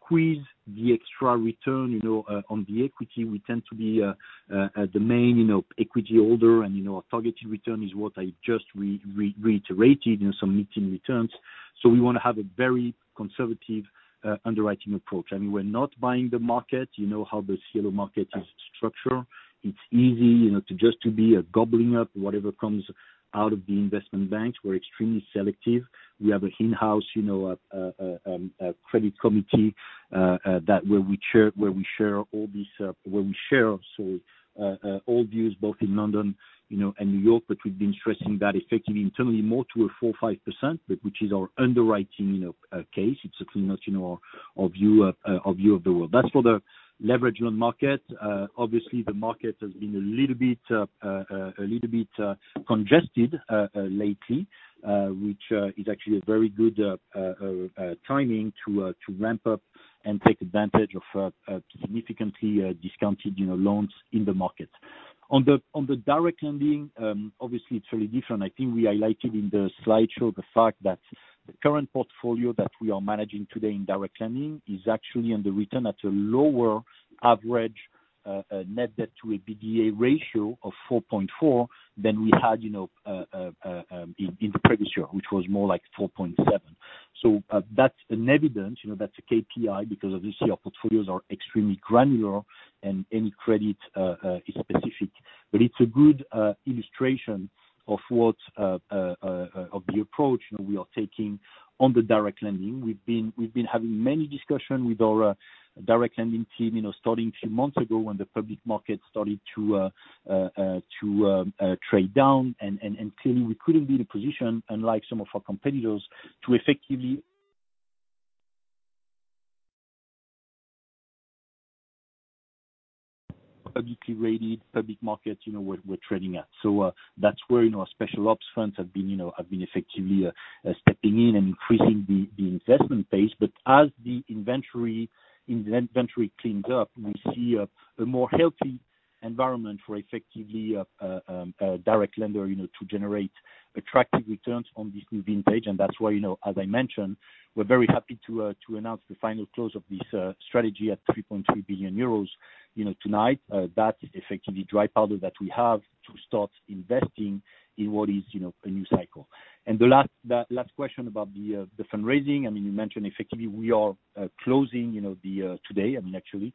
squeeze the extra return, you know, on the equity. We tend to be the main, you know, equity holder and, you know, our targeted return is what I just reiterated, you know, some mid-teen returns. We wanna have a very conservative underwriting approach. I mean, we're not buying the market. You know how the CLO market is structured. It's easy, you know, to just be gobbling up whatever comes out of the investment banks. We're extremely selective. We have an in-house, you know, credit committee that where we share all these. We share all views both in London, you know, and New York, but we've been stressing that effectively internally more to a 4%-5%, but which is our underwriting, you know, case. It's certainly not, you know, our view of the world. That's for the leveraged loan market, obviously the market has been a little bit congested lately, which is actually a very good timing to ramp up and take advantage of a significantly discounted, you know, loans in the market. On the direct lending, obviously it's really different. I think we highlighted in the slideshow the fact that the current portfolio that we are managing today in direct lending is actually on the return at a lower average net debt to EBITDA ratio of 4.4 than we had, you know, in the previous year, which was more like 4.7. That's an evidence, you know, that's a KPI because obviously our portfolios are extremely granular and any credit is specific. But it's a good illustration of the approach we are taking on the direct lending. We've been having many discussions with our direct lending team, you know, starting a few months ago when the public market started to trade down. Clearly we couldn't be in a position unlike some of our competitors to effectively publicly traded public markets, you know, we're trading at. That's where, you know, special ops funds have been effectively stepping in and increasing the investment pace. As the inventory cleans up, we see a more healthy environment for effectively direct lending, you know, to generate attractive returns on this new vintage. That's why, you know, as I mentioned, we're very happy to announce the final close of this strategy at 3.3 billion euros, you know, tonight. That is effectively dry powder that we have to start investing in what is, you know, a new cycle. The last question about the fundraising. I mean, you mentioned effectively we are closing, you know, the today, I mean, actually,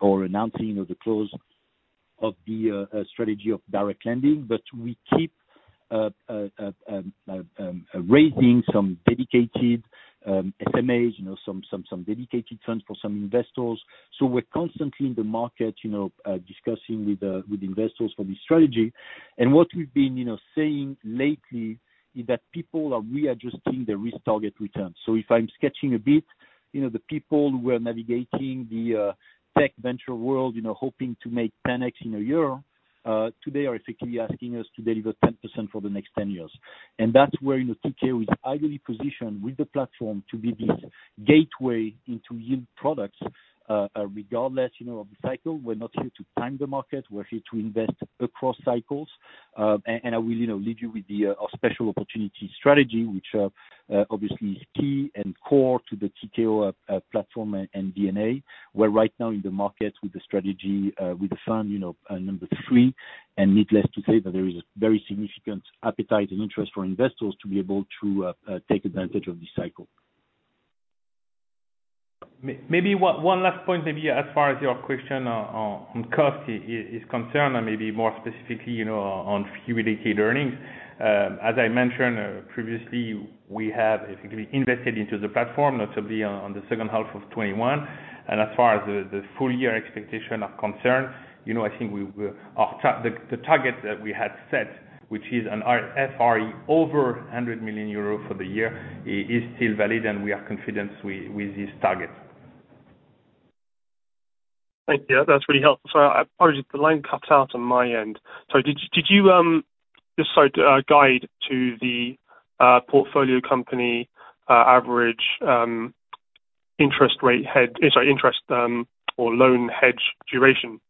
or announcing of the close of the strategy of direct lending. We keep raising some dedicated SMAs, you know, some dedicated funds for some investors. We're constantly in the market, you know, discussing with investors for this strategy. What we've been, you know, saying lately is that people are readjusting their risk target returns. If I'm sketching a bit, you know, the people who are navigating the tech venture world, you know, hoping to make 10x in a year, today are effectively asking us to deliver 10% for the next 10 years. That's where, you know, TKO is ideally positioned with the platform to be this gateway into yield products, regardless, you know, of the cycle. We're not here to time the market. We're here to invest across cycles. And I will, you know, leave you with our special opportunity strategy, which obviously is key and core to the TKO platform and DNA. We're right now in the market with the strategy, with the fund, you know, number three. Needless to say that there is a very significant appetite and interest for investors to be able to take advantage of this cycle. Maybe one last point, maybe as far as your question on cost is concerned, and maybe more specifically, you know, on QBD earnings. As I mentioned previously, we have effectively invested into the platform, notably on the second half of 2021. As far as the full year expectation are concerned, you know, I think we will. The target that we had set, which is an FRE over 100 million euro for the year, is still valid and we are confident with this target. Thank you. That's really helpful. Apologies, the line cuts out on my end. Did you just sort of guide to the portfolio company average interest rate hedge? Sorry, interest or loan hedge duration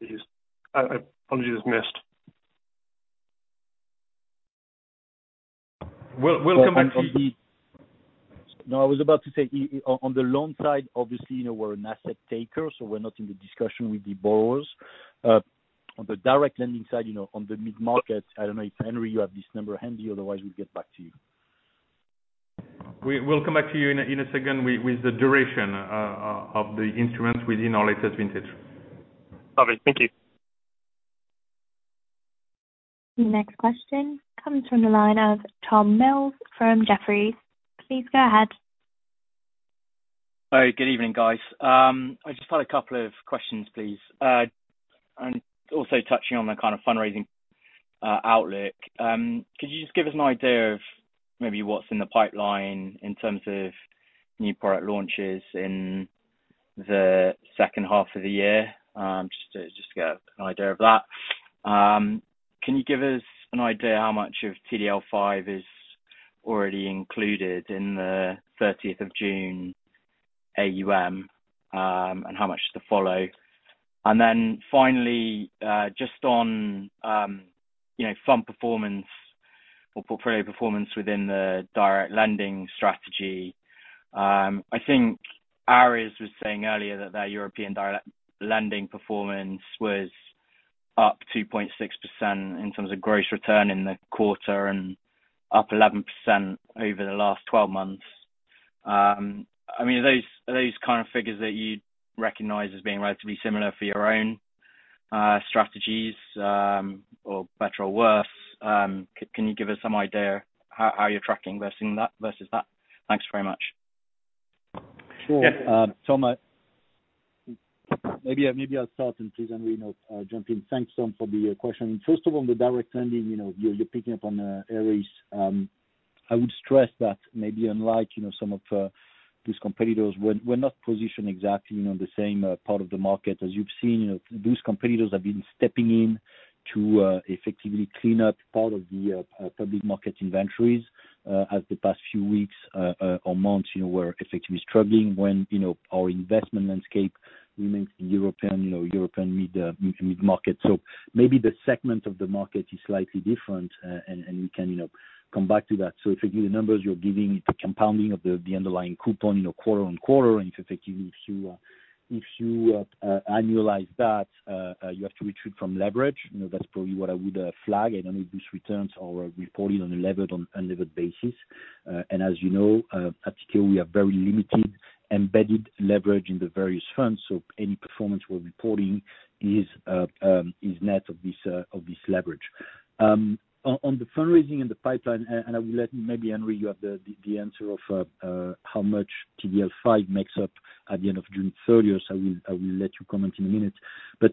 please? I apologize, missed. We'll come back to the. No, I was about to say, on the loan side, obviously, you know, we're an asset taker, so we're not in the discussion with the borrowers. On the direct lending side, you know, on the mid-market, I don't know if Henri you have this number handy, otherwise we'll get back to you. We'll come back to you in a second with the duration of the instruments within our latest vintage. Perfect. Thank you. Next question comes from the line of Tom Mills from Jefferies. Please go ahead. Hi, good evening, guys. I just had a couple of questions, please. Also touching on the kind of fundraising outlook. Could you just give us an idea of maybe what's in the pipeline in terms of new product launches in the second half of the year? Just to get an idea of that. Can you give us an idea how much of TDL V is already included in the 13th of June AUM, and how much to follow? Finally, just on, you know, fund performance or portfolio performance within the direct lending strategy, I think Ares was saying earlier that their European direct lending performance was up 2.6% in terms of gross return in the quarter and up 11% over the last 12 months. I mean, are those kind of figures that you'd recognize as being relatively similar for your own strategies, or better or worse? Can you give us some idea how you're tracking versus that? Thanks very much. Sure. Tom, maybe I'll start and please, Henri, you know, jump in. Thanks, Tom, for the question. First of all, the direct lending, you know, you're picking up on Ares. I would stress that maybe unlike, you know, some of these competitors, we're not positioned exactly, you know, the same part of the market. As you've seen, you know, those competitors have been stepping in to effectively clean up part of the public market inventories in the past few weeks or months, you know, we're effectively struggling when our investment landscape remains in European mid-market. Maybe the segment of the market is slightly different. We can, you know, come back to that. If you give the numbers, you're giving the compounding of the underlying coupon, you know, quarter-on-quarter. If you annualize that, you have to adjust for leverage, you know, that's probably what I would flag. I don't need these returns or reporting on a levered or unlevered basis. As you know, at Tikehau, we have very limited embedded leverage in the various funds. Any performance we're reporting is net of this leverage. On the fundraising and the pipeline. I will let maybe Henri, you have the answer of how much TDL V makes up at the end of June 30th. I will let you comment in a minute.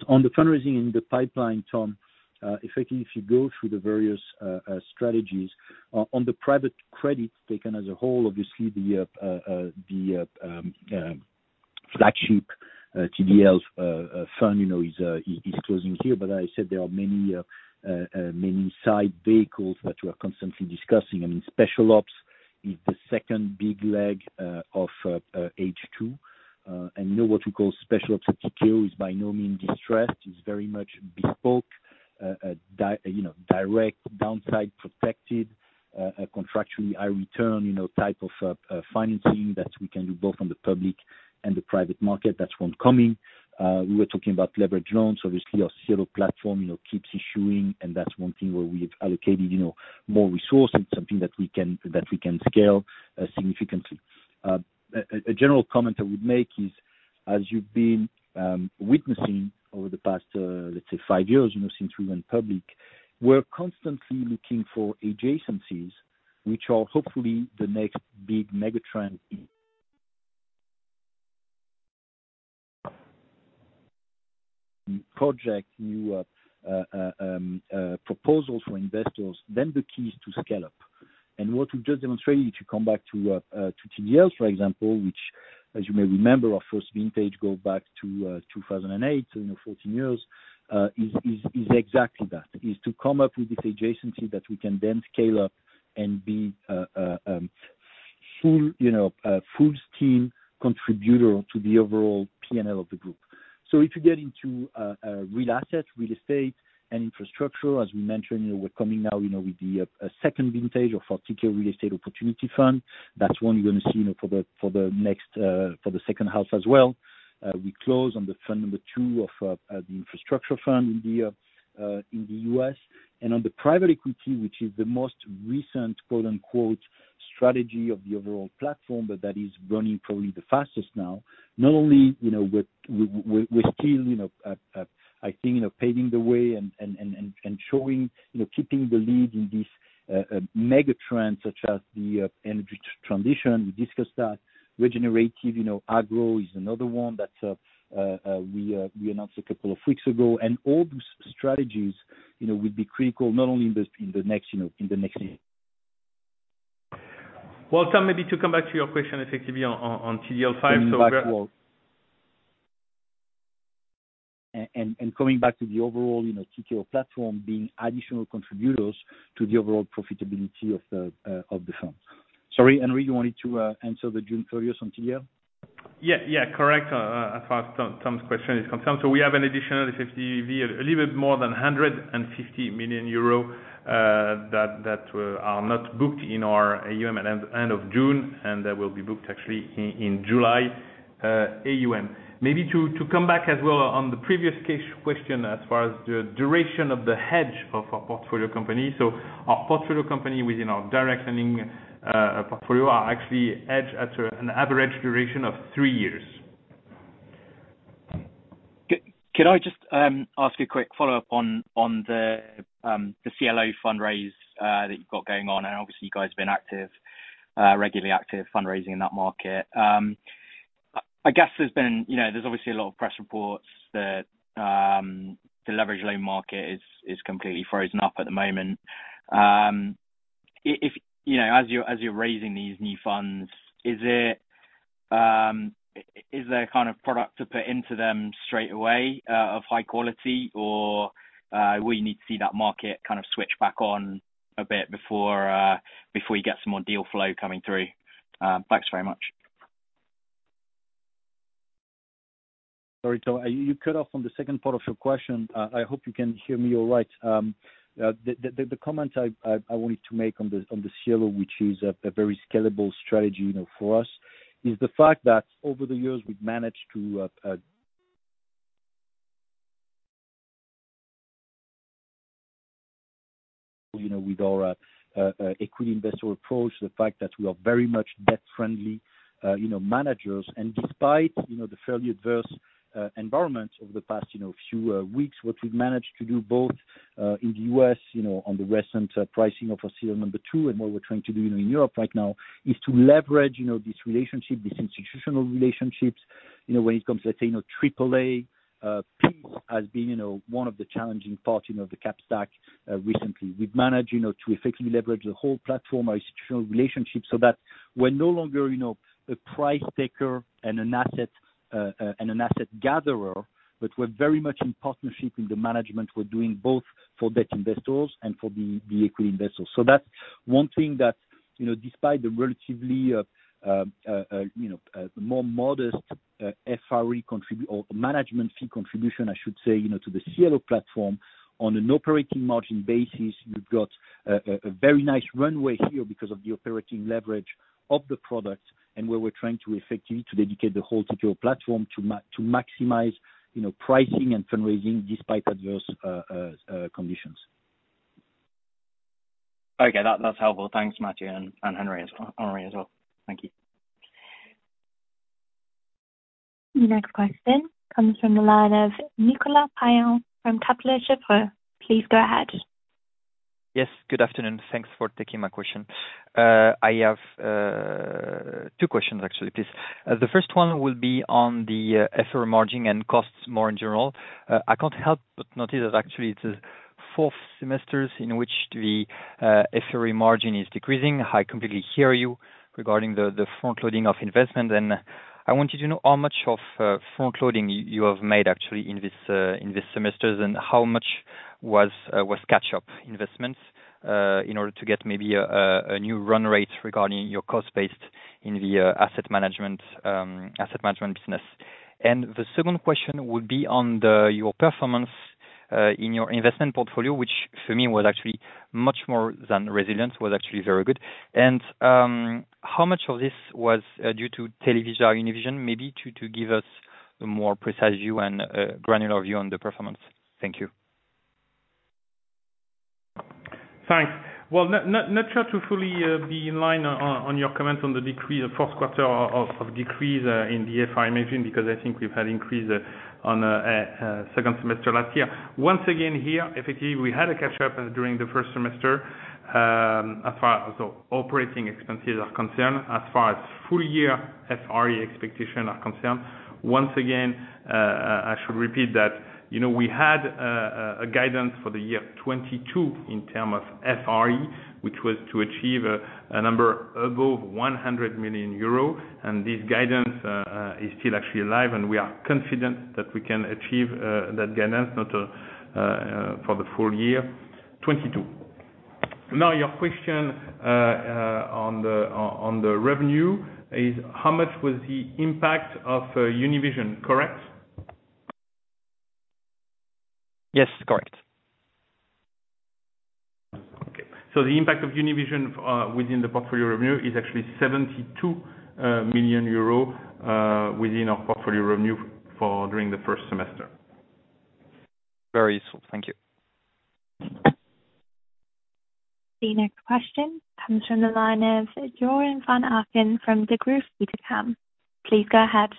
On the fundraising in the pipeline, Tom, effectively, if you go through the various strategies, on the private credits taken as a whole, obviously the flagship TDL's fund, you know, is closing here. As I said, there are many side vehicles that we are constantly discussing. I mean, special ops is the second big leg of H2. You know, what we call special ops at Tikehau is by no means distressed. It's very much bespoke, direct—you know, direct downside protected, contractually high return, you know, type of financing that we can do both on the public and the private market. That's one coming. We were talking about leveraged loans. Obviously, our CLO platform keeps issuing, and that's one thing where we have allocated more resources, something that we can scale significantly. A general comment I would make is, as you've been witnessing over the past, let's say five years, you know, since we went public, we're constantly looking for adjacencies which are hopefully the next big mega trend. Project new proposals for investors, then the key is to scale up. What we've just demonstrated, to come back to TDLs, for example, which as you may remember, our first vintage go back to 2008, so you know, 14 years, is exactly that. Is to come up with this adjacency that we can then scale up and be full steam contributor to the overall P&L of the group. If you get into real estate and infrastructure, as we mentioned, you know, we're coming now, you know, with a second vintage of Tikehau Real Estate Opportunity Fund. That's one you're gonna see, you know, for the second house as well. We close on the fund number two of the infrastructure fund in the U.S. And on the private equity, which is the most recent quote-unquote strategy of the overall platform. But that is running probably the fastest now. Not only, you know, we're still, you know, I think, you know, paving the way and showing, you know, keeping the lead in this mega trend such as the energy transition. We discussed that. Regenerative agro is another one that we announced a couple of weeks ago. All those strategies, you know, will be critical not only in the next year. Well, Tom, maybe to come back to your question effectively on TDL V. We're- Coming back to the overall, you know, Tikehau platform being additional contributors to the overall profitability of the firm. Sorry, Henry, you wanted to answer the June 13th on TDL? Yeah, yeah. Correct. As far as Tom's question is concerned. We have an additional a little bit more than 150 million euros that are not booked in our AUM at end of June, and that will be booked actually in July AUM. Maybe to come back as well on the previous question as far as the duration of the hedge of our portfolio company. Our portfolio company within our direct lending portfolio are actually hedged at an average duration of three years. Can I just ask a quick follow-up on the CLO fundraise that you've got going on? Obviously you guys have been active, regularly active fundraising in that market. I guess there's been. You know, there's obviously a lot of press reports that the leveraged loan market is completely frozen up at the moment. If, you know, as you're raising these new funds, is it kind of product to put into them straight away of high quality? Or will you need to see that market kind of switch back on a bit before you get some more deal flow coming through? Thanks very much. Sorry, Tom. You cut off on the second part of your question. I hope you can hear me all right. The comment I wanted to make on the CLO, which is a very scalable strategy, you know, for us, is the fact that over the years we've managed to, you know, with our equity investor approach, the fact that we are very much debt-friendly, you know, managers. Despite, you know, the fairly adverse environment over the past, you know, few weeks, what we've managed to do both in the U.S., you know, on the recent pricing of our CLO number two and what we're trying to do, you know, in Europe right now, is to leverage, you know, this relationship, these institutional relationships, you know, when it comes to, let's say, you know, AAA placement has been, you know, one of the challenging parts, you know, of the cap stack recently. We've managed, you know, to effectively leverage the whole platform institutional relationship so that we're no longer, you know, a price taker and an asset gatherer, but we're very much in partnership in the management. We're doing both for debt investors and for the equity investors. That's one thing that, you know, despite the relatively, you know, more modest, or management fee contribution, I should say, you know to the CLO platform, on an operating margin basis, we've got a very nice runway here because of the operating leverage of the product and where we're trying to effectively dedicate the whole secure platform to maximize, you know, pricing and fundraising despite adverse conditions. Okay. That's helpful. Thanks, Mathieu and Henri as well. Thank you. Next question comes from the line of Nicolas Payen from Kepler Cheuvreux. Please go ahead. Yes. Good afternoon. Thanks for taking my question. I have two questions actually, please. The first one will be on the FRE margin and costs more in general. I can't help but notice that actually it's four semesters in which the FRE margin is decreasing. I completely hear you regarding the front-loading of investment. I wanted to know how much of front-loading you have made actually in this semesters, and how much was catch-up investments in order to get maybe a new run rate regarding your cost base in the asset management business. The second question would be on your performance in your investment portfolio, which for me was actually much more than resilience, was actually very good. How much of this was due to TelevisaUnivision, maybe to give us a more precise view and a granular view on the performance? Thank you. Thanks. Well, not sure to fully be in line on your comments on the decrease of fourth quarter in the FRE margin, because I think we've had increase on second semester last year. Once again, here, effectively, we had a catch-up during the first semester as far as the operating expenses are concerned. As far as full year FRE expectations are concerned, once again, I should repeat that, you know, we had a guidance for the year 2022 in terms of FRE, which was to achieve a number above 100 million euro. This guidance is still actually alive, and we are confident that we can achieve that guidance for the full year 2022. Now, your question on the revenue is how much was the impact of Univision, correct? Yes. Correct. The impact of Univision within the portfolio revenue is actually 72 million euro within our portfolio revenue during the first semester. Very useful. Thank you. The next question comes from the line of Joren Van Aken from Degroof Petercam. Please go ahead.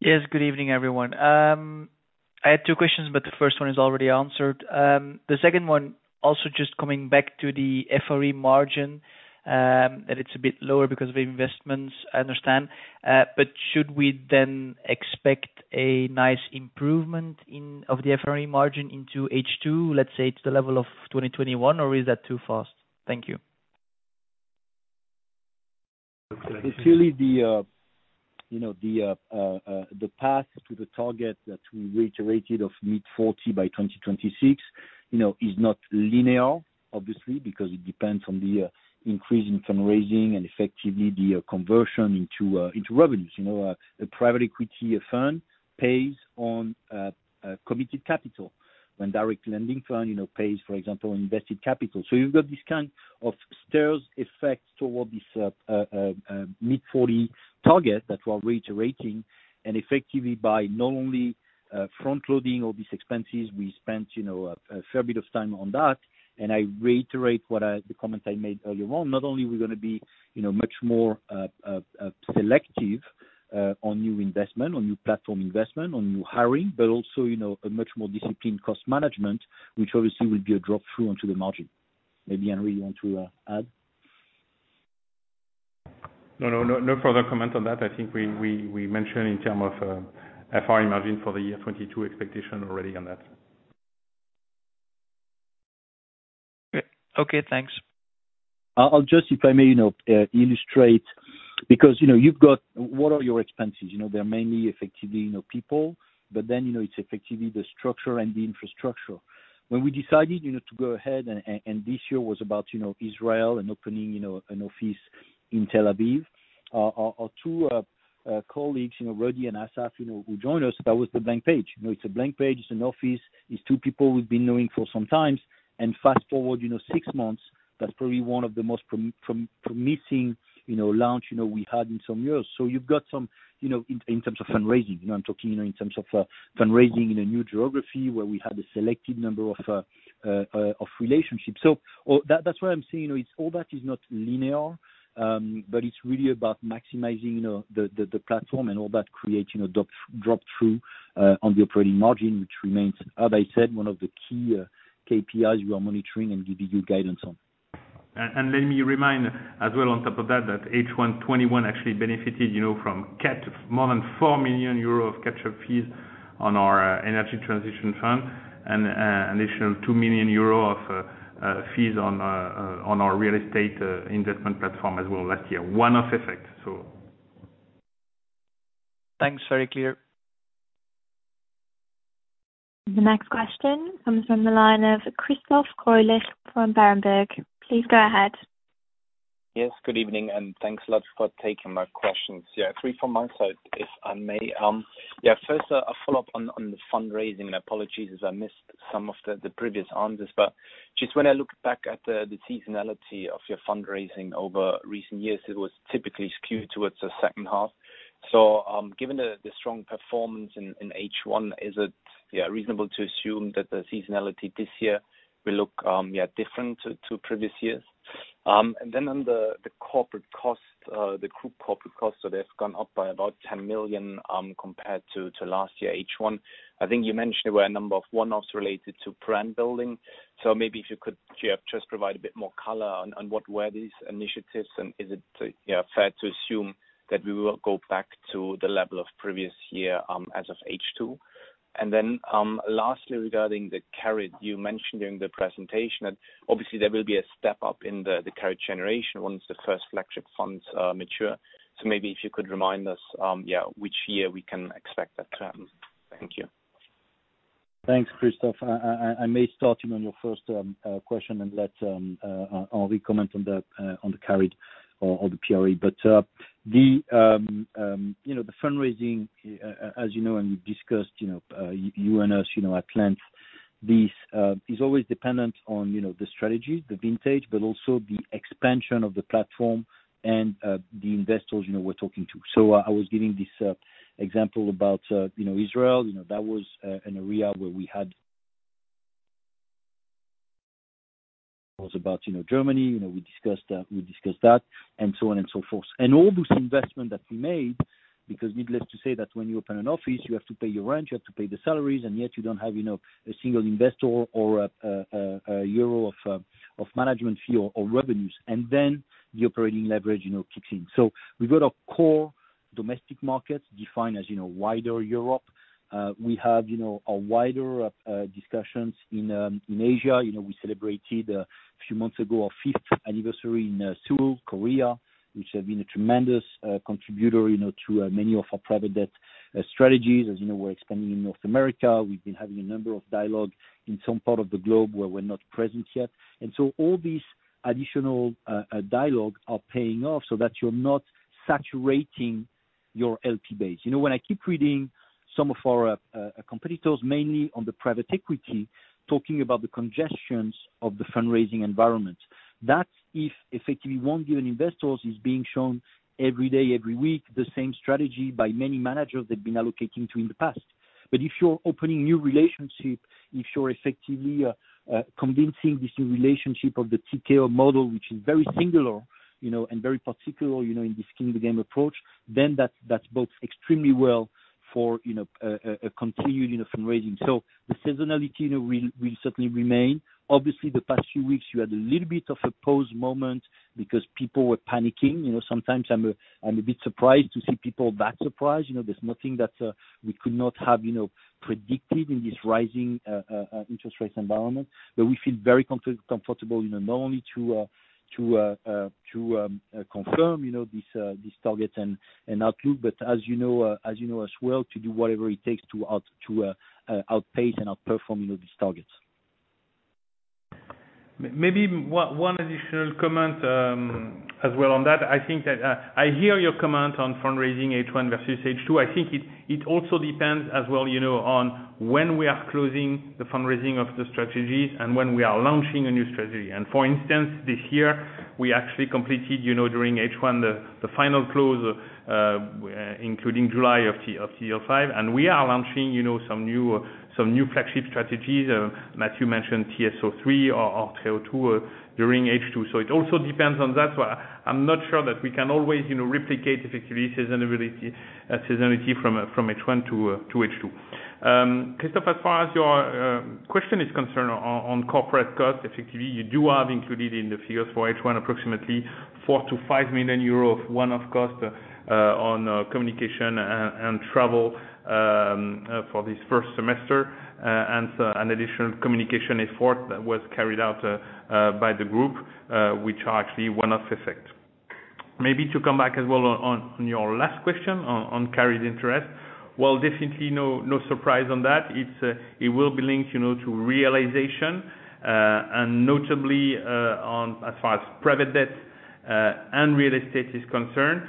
Yes. Good evening, everyone. I had two questions, but the first one is already answered. The second one also just coming back to the FRE margin, that it's a bit lower because of investments, I understand. But should we then expect a nice improvement in, of the FRE margin into H2, let's say, to the level of 2021, or is that too fast? Thank you. Look for that. Clearly the path to the target that we reiterated of mid-40 by 2026, you know, is not linear, obviously, because it depends on the increase in fundraising and effectively the conversion into revenues. You know, a private equity fund pays on committed capital when direct lending fund, you know, pays, for example, invested capital. So you've got this kind of stairs effect toward this mid-40 target that we're reiterating. Effectively by not only front-loading all these expenses, we spent, you know, a fair bit of time on that. I reiterate the comments I made earlier on. Not only are we gonna be, you know, much more selective on new investment, on new platform investment, on new hiring, but also, you know, a much more disciplined cost management, which obviously will be a drop-through onto the margin. Maybe, Henri, you want to add? No further comment on that. I think we mentioned in terms of FRE margin for the year 2022 expectation already on that. Okay. Thanks. I'll just, if I may, you know, illustrate because, you know, you've got what are your expenses? You know, they're mainly effectively, you know, people, but then, you know, it's effectively the structure and the infrastructure. When we decided, you know, to go ahead and this year was about, you know, Israel and opening, you know, an office in Tel Aviv. Our two colleagues, you know, Rudy and Asaf, you know, who joined us, that was the blank page. You know, it's a blank page, it's an office. It's two people we've been knowing for some time. Fast-forward, you know, six months, that's probably one of the most promising, you know, launch, you know, we had in some years. You've got some, you know, in terms of fundraising, you know, I'm talking, you know, in terms of fundraising in a new geography where we had a selected number of relationships. That, that's why I'm saying, you know, it's all that is not linear, but it's really about maximizing, you know, the platform and all that create, you know, drop-through on the operating margin, which remains, as I said, one of the key KPIs we are monitoring and giving you guidance on. Let me remind as well on top of that H1 2021 actually benefited, you know, from more than 4 million euro of capture fees on our energy transition fund and an additional 2 million euro of fees on our real estate investment platform as well last year. One-off effect. Thanks. Very clear. The next question comes from the line of Christoph Greulich from Berenberg. Please go ahead. Yes, good evening, and thanks a lot for taking my questions. Yeah, three from my side, if I may. Yeah, first, a follow-up on the fundraising, and apologies as I missed some of the previous answers. Just when I look back at the seasonality of your fundraising over recent years, it was typically skewed towards the second half. Given the strong performance in H1, is it reasonable to assume that the seasonality this year will look different to previous years? Then on the corporate cost, the group corporate cost, so they've gone up by about 10 million compared to last year, H1. I think you mentioned there were a number of one-offs related to brand building. Maybe if you could just provide a bit more color on what were these initiatives and is it fair to assume that we will go back to the level of previous year as of H2. Lastly, regarding the carried you mentioned during the presentation, and obviously there will be a step up in the current generation once the first flagship funds mature. Maybe if you could remind us which year we can expect that to happen. Thank you. Thanks, Christoph. I may start you on your first question and let Henri comment on the carried or the PRE. The fundraising, as you know, and we discussed, you know, you and us, you know, at length, this is always dependent on the strategy, the vintage, but also the expansion of the platform and the investors we're talking to. I was giving this example about Israel, you know, that was an area where we had. It was about Germany, you know, we discussed that, and so on and so forth. all this investment that we made, because needless to say that when you open an office, you have to pay your rent, you have to pay the salaries, and yet you don't have, you know, a single investor or euro of management fee or revenues. Then the operating leverage, you know, kicks in. We've got our core domestic markets defined as, you know, wider Europe. We have, you know, wider discussions in Asia. You know, we celebrated a few months ago, our fifth anniversary in Seoul, Korea, which have been a tremendous contributor, you know, to many of our private debt strategies. As you know, we're expanding in North America. We've been having a number of dialogue in some part of the globe where we're not present yet. All these additional dialogues are paying off so that you're not saturating your LP base. You know, when I keep reading some of our competitors, mainly on the private equity, talking about the congestion of the fundraising environment, that's because effectively one given investor is being shown every day, every week, the same strategy by many managers they've been allocating to in the past. But if you're opening new relationships, if you're effectively convincing these new relationships of the TKO model, which is very singular, you know, and very particular, you know, in the skin in the game approach, then that bodes extremely well for, you know, a continued, you know, fundraising. The seasonality, you know, will certainly remain. Obviously, the past few weeks, you had a little bit of a pause moment because people were panicking. You know, sometimes I'm a bit surprised to see people that surprised. You know, there's nothing that we could not have, you know, predicted in this rising interest rate environment. We feel very comfortable, you know, not only to confirm, you know, this target and outlook, but as you know as well, to do whatever it takes to outpace and outperform, you know, these targets. Maybe one additional comment as well on that. I think that I hear your comment on fundraising H1 versus H2. I think it also depends as well, you know, on when we are closing the fundraising of the strategies and when we are launching a new strategy. For instance, this year, we actually completed, you know, during H1, the final close, including July of TSO V. We are launching, you know, some new flagship strategies. Mathieu mentioned TSO III or TREO II during H2. It also depends on that. I'm not sure that we can always, you know, replicate effectively seasonality from H1 to H2. Christoph, as far as your question is concerned on corporate costs, effectively, you do have included in the figures for H1 approximately 4-EUR5 million of one-off cost on communication and travel for this first semester. An additional communication effort that was carried out by the group, which are actually one-off effect. Maybe to come back as well on your last question on carried interest. Well, definitely no surprise on that. It will be linked, you know, to realization and notably on as far as private debt and real estate is concerned.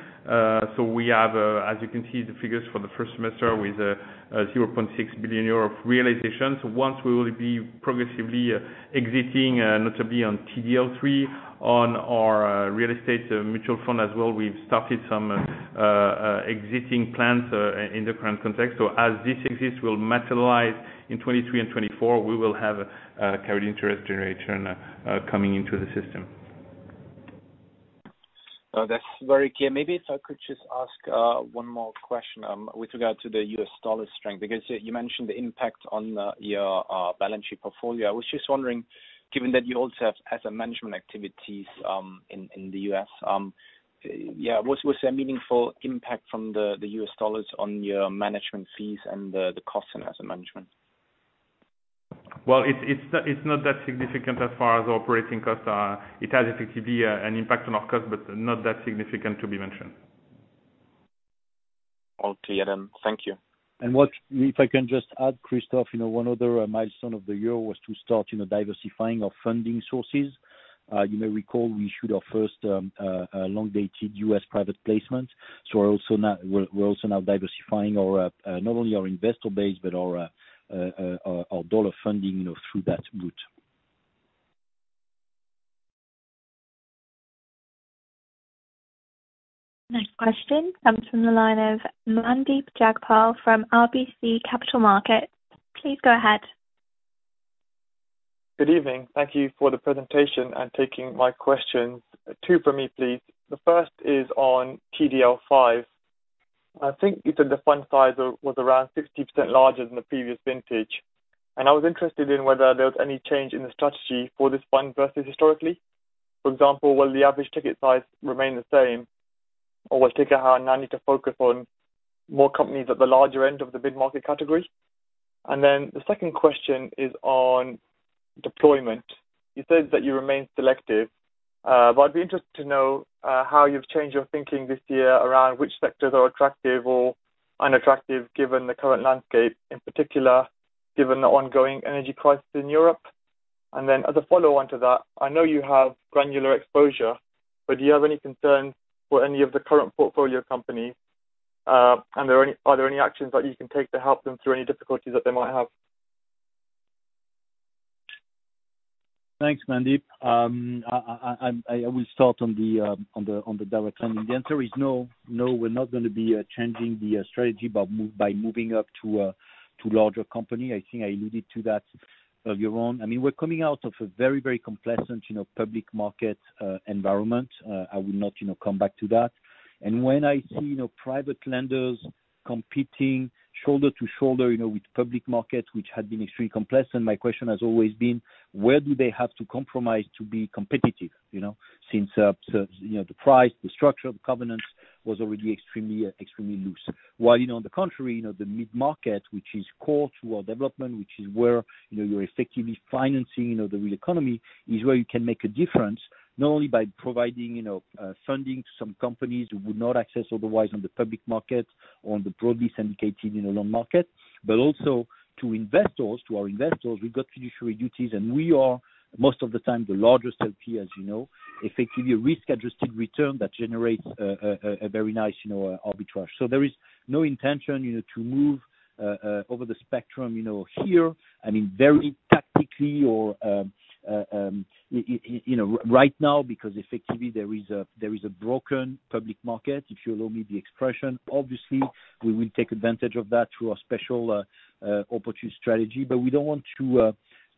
We have as you can see the figures for the first semester with 0.6 billion euro of realization. Once we will be progressively exiting, notably on TDL III on our real estate mutual fund as well, we've started some exiting plans in the current context. As these exits, they'll materialize in 2023 and 2024, we will have carried interest generation coming into the system. Oh, that's very clear. Maybe if I could just ask one more question with regard to the US dollar strength, because you mentioned the impact on your balance sheet portfolio. I was just wondering, given that you also have asset management activities in the U.S., was there meaningful impact from the US dollars on your management fees and the costs in asset management? Well, it's not that significant as far as operating costs are. It has effectively an impact on our cost, but not that significant to be mentioned. All clear then. Thank you. If I can just add, Christoph, you know, one other milestone of the year was to start, you know, diversifying our funding sources. You may recall we issued our first long-dated U.S. private placement. We're also now diversifying our dollar funding, you know, through that route. Next question comes from the line of Mandeep Jagpal from RBC Capital Markets. Please go ahead. Good evening. Thank you for the presentation, and taking my questions. Two for me, please. The first is on TDL V. I think you said the fund size was around 60% larger than the previous vintage, and I was interested in whether there was any change in the strategy for this fund versus historically. For example, will the average ticket size remain the same, or will Tikehau now need to focus on more companies at the larger end of the mid-market category? The second question is on deployment. You said that you remain selective, but I'd be interested to know, how you've changed your thinking this year around which sectors are attractive or unattractive given the current landscape, in particular, given the ongoing energy crisis in Europe. As a follow-on to that, I know you have granular exposure, but do you have any concerns for any of the current portfolio companies? Are there any actions that you can take to help them through any difficulties that they might have? Thanks, Mandeep. I will start on the direct lending. The answer is no. No, we're not gonna be changing the strategy by moving up to larger company. I think I alluded to that earlier on. I mean, we're coming out of a very complacent public market environment. I will not come back to that. When I see private lenders competing shoulder to shoulder with public markets, which had been extremely complacent, my question has always been: Where do they have to compromise to be competitive, you know? So, you know, the price, the structure of the covenants was already extremely loose. While, you know, on the contrary, you know, the mid-market, which is core to our development, which is where, you know, you're effectively financing, you know, the real economy, is where you can make a difference, not only by providing, you know, funding to some companies who would not access otherwise on the public market or on the broadly syndicated, you know, loan market, but also to investors, to our investors. We've got fiduciary duties, and we are, most of the time, the largest LP, as you know. Effectively a risk-adjusted return that generates a very nice, you know, arbitrage. There is no intention, you know, to move over the spectrum, you know, here. I mean, very tactically or, you know, right now, because effectively there is a broken public market, if you'll allow me the expression. Obviously, we will take advantage of that through our Special Opportunities strategy. We don't want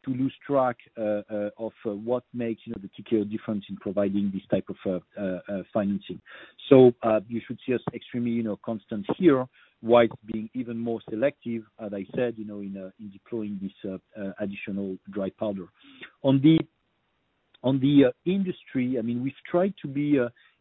to lose track of what makes, you know, the Tikehau difference in providing this type of financing. You should see us extremely, you know, constant here, while being even more selective, as I said, you know, in deploying this additional dry powder. On the industry, I mean,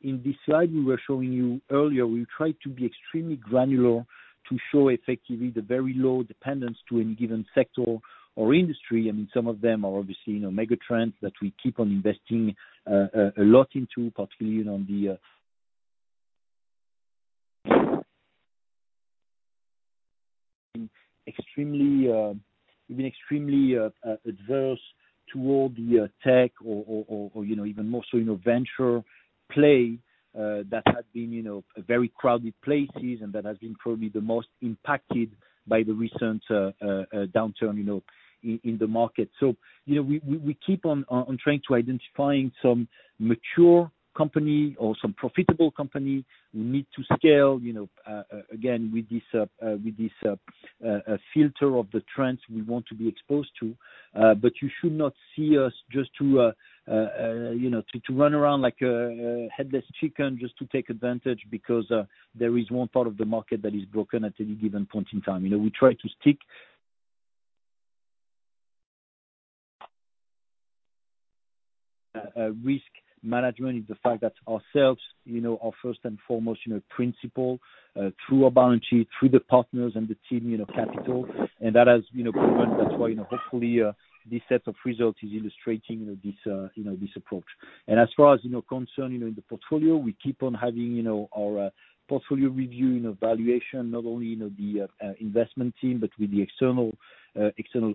in this slide we were showing you earlier, we've tried to be extremely granular to show effectively the very low dependence to any given sector or industry. I mean, some of them are obviously, you know, megatrends that we keep on investing a lot into. We've been extremely averse toward the tech or, you know, even more so, venture play that had been, you know, very crowded places and that has been probably the most impacted by the recent downturn, you know, in the market. We keep on trying to identifying some mature company or some profitable company we need to scale, you know, again, with this filter of the trends we want to be exposed to. You should not see us just to, you know, to run around like a headless chicken just to take advantage because there is one part of the market that is broken at any given point in time. You know, we try to stick to risk management. Risk management is the fact that we ourselves, you know, our first and foremost, you know, principle through our balance sheet, through the partners and the team, you know, capital, and that has, you know, proven. That's why, you know, hopefully, this set of results is illustrating, you know, this, you know, this approach. As far as concerns, you know, in the portfolio, we keep on having, you know, our portfolio review and evaluation, not only, you know, the investment team, but with the external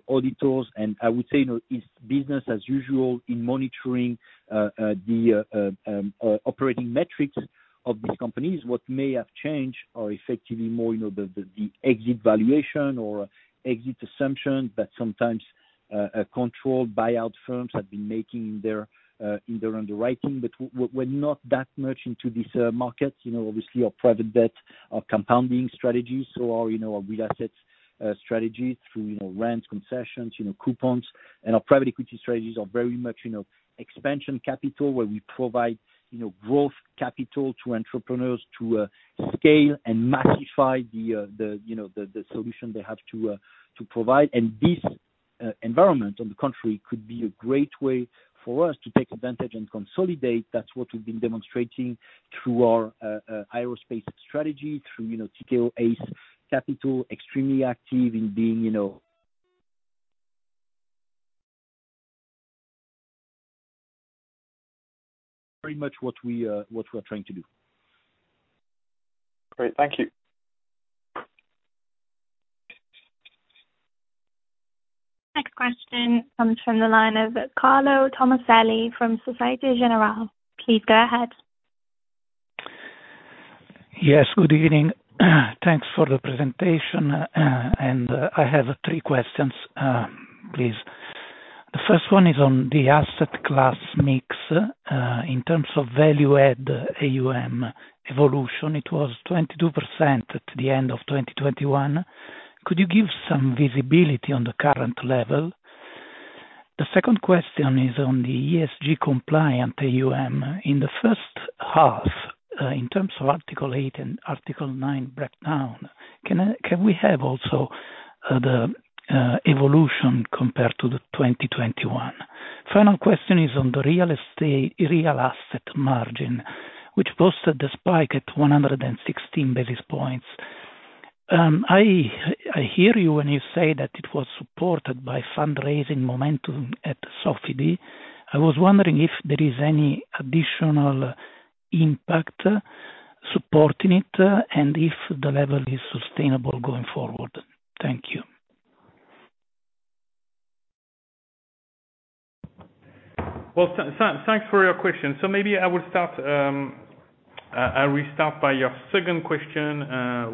auditors. I would say, you know, it's business as usual in monitoring the operating metrics of these companies. What may have changed are effectively more, you know, the exit valuation or exit assumption that sometimes A controlled buyout firms have been making in their, in their underwriting, but we're not that much into this, market. You know, obviously our private debt, our compounding strategies, so our, you know, our real assets, strategy through, you know, rent concessions, you know, coupons. Our private equity strategies are very much, you know, expansion capital where we provide, you know, growth capital to entrepreneurs to, scale and magnify the, you know, the solution they have to provide. This, environment in the country could be a great way for us to take advantage and consolidate. That's what we've been demonstrating through our, aerospace strategy, through, you know, Tikehau Ace Capital, extremely active in being, you know. Very much what we're trying to do. Great. Thank you. Next question comes from the line of Carlo Tommaselli from Société Générale. Please go ahead. Yes. Good evening. Thanks for the presentation. I have three questions, please. The first one is on the asset class mix. In terms of value add AUM evolution, it was 22% at the end of 2021. Could you give some visibility on the current level? The second question is on the ESG compliant AUM. In the first half, in terms of Article 8 and Article 9 breakdown, can we have also the evolution compared to 2021? Final question is on the real asset margin, which posted the spike at 116 basis points. I hear you when you say that it was supported by fundraising momentum at Sofidy. I was wondering if there is any additional impact supporting it, and if the level is sustainable going forward. Thank you. Well, thanks for your question. Maybe I will start by your second question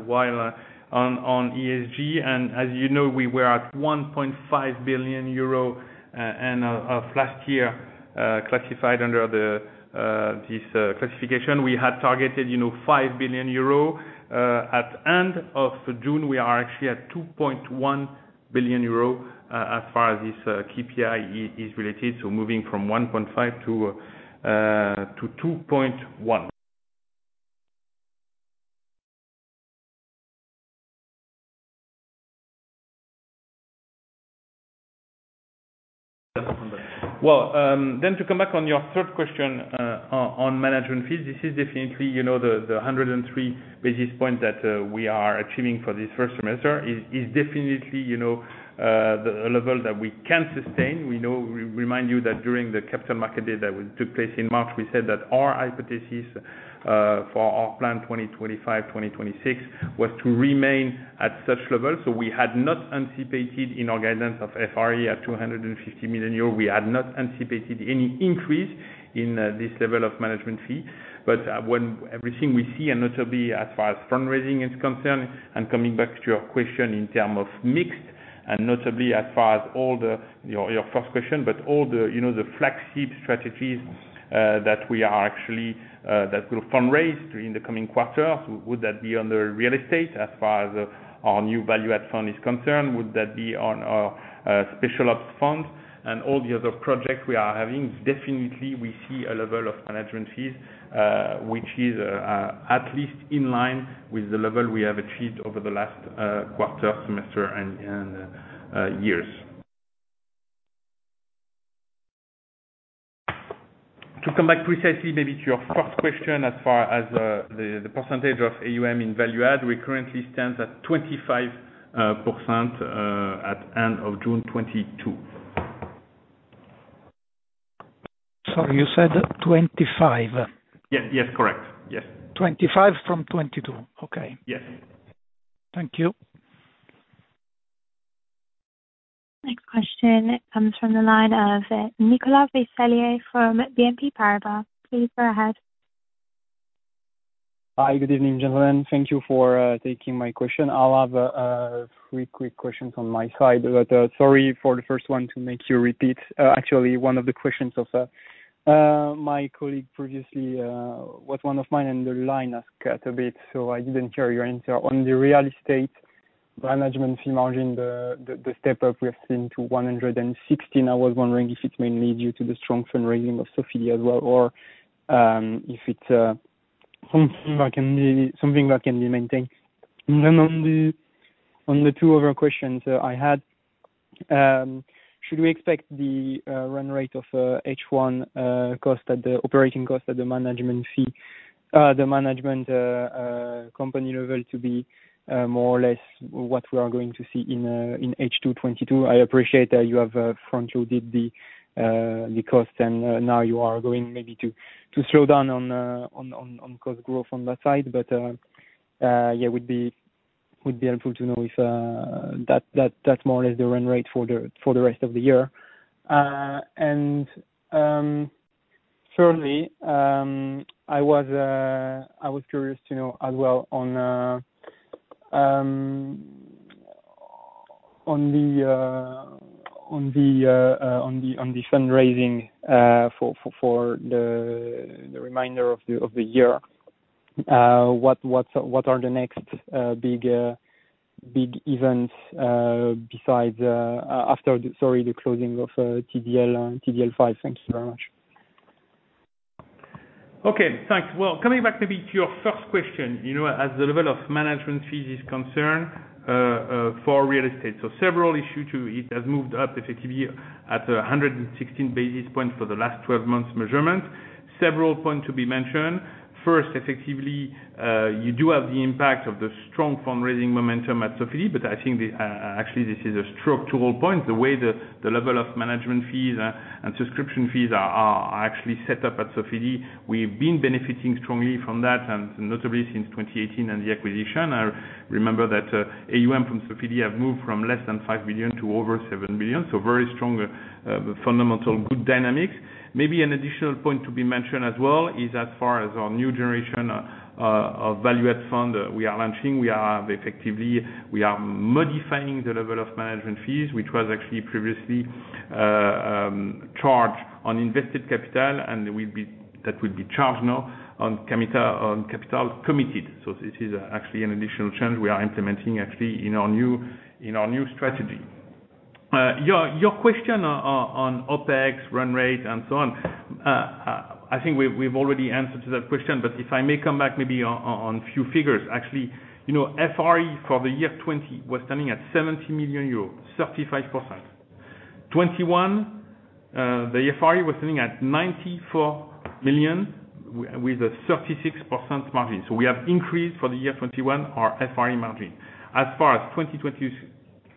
while on ESG. As you know, we were at 1.5 billion euro end of last year classified under this classification. We had targeted, you know, 5 billion euro. At end of June, we are actually at 2.1 billion euro as far as this KPI is related, so moving from 1.5-2.1. Well, then to come back on your third question on management fees, this is definitely, you know, the 103 basis points that we are achieving for this first semester is definitely, you know, the level that we can sustain. We remind you that during the capital market day that took place in March, we said that our hypothesis for our plan 2025 2026 was to remain at such level. We had not anticipated in our guidance of FRE at 250 million euros. We had not anticipated any increase in this level of management fee. When everything we see and notably as far as fundraising is concerned, and coming back to your question in terms of mix, and notably as far as all the. Your first question, but all the, you know, the flagship strategies that we are actually that could have fundraised during the coming quarters, would that be under real estate as far as our new value add fund is concerned? Would that be on our special ops fund? All the other projects we are having, definitely we see a level of management fees, which is at least in line with the level we have achieved over the last quarter, semester and years. To come back precisely maybe to your first question as far as the percentage of AUM in value add, we currently stand at 25%, at end of June 2022. Sorry, you said 25? Yes. Yes. Correct. Yes. 25 from 22. Okay. Yes. Thank you. Next question comes from the line of Nicolas Veisselier from BNP Paribas. Please go ahead. Hi. Good evening, gentlemen. Thank you for taking my question. I'll have three quick questions on my side. Sorry for the first one to make you repeat. Actually, one of the questions of my colleague previously was one of mine, and the line has cut a bit, so I didn't hear your answer. On the real estate management fee margin, the step up we have seen to 116%, I was wondering if it's mainly due to the strong fundraising of Sofidy as well, or if it's something that can be maintained. On the two other questions I had, should we expect the run rate of H1 cost at the operating cost at the management fee the management company level to be more or less what we are going to see in H2 2022? I appreciate that you have front loaded the cost and now you are going maybe to slow down on cost growth on that side. Yeah, would be helpful to know if that's more or less the run rate for the rest of the year. Surely, I was curious to know as well on the fundraising for the remainder of the year. What are the next big events besides after the closing of TDL V? Sorry. Thank you very much. Okay. Thanks. Well, coming back maybe to your first question, you know, as the level of management fees is concerned, for real estate. Several issues too, it has moved up effectively at 116 basis points for the last 12 months measurement. Several points to be mentioned. First, effectively, you do have the impact of the strong fundraising momentum at Sofidy, but I think actually this is a structural point. The way the level of management fees and subscription fees are actually set up at Sofidy. We've been benefiting strongly from that, and notably since 2018 and the acquisition. I remember that, AUM from Sofidy have moved from less than 5 million to over 7 million. So very strong, fundamentally good dynamics. Maybe an additional point to be mentioned as well is as far as our new generation of value add fund we are launching. We are modifying the level of management fees, which was actually previously charged on invested capital, and that will be charged now on capital committed. This is actually an additional change we are implementing actually in our new strategy. Your question on OpEx run rate and so on. I think we've already answered to that question, but if I may come back maybe on few figures. Actually, you know, FRE for the year 2020 was standing at 70 million euros, 35%. 2021, the FRE was sitting at 94 million with a 36% margin. We have increased for the year 2021, our FRE margin. As far as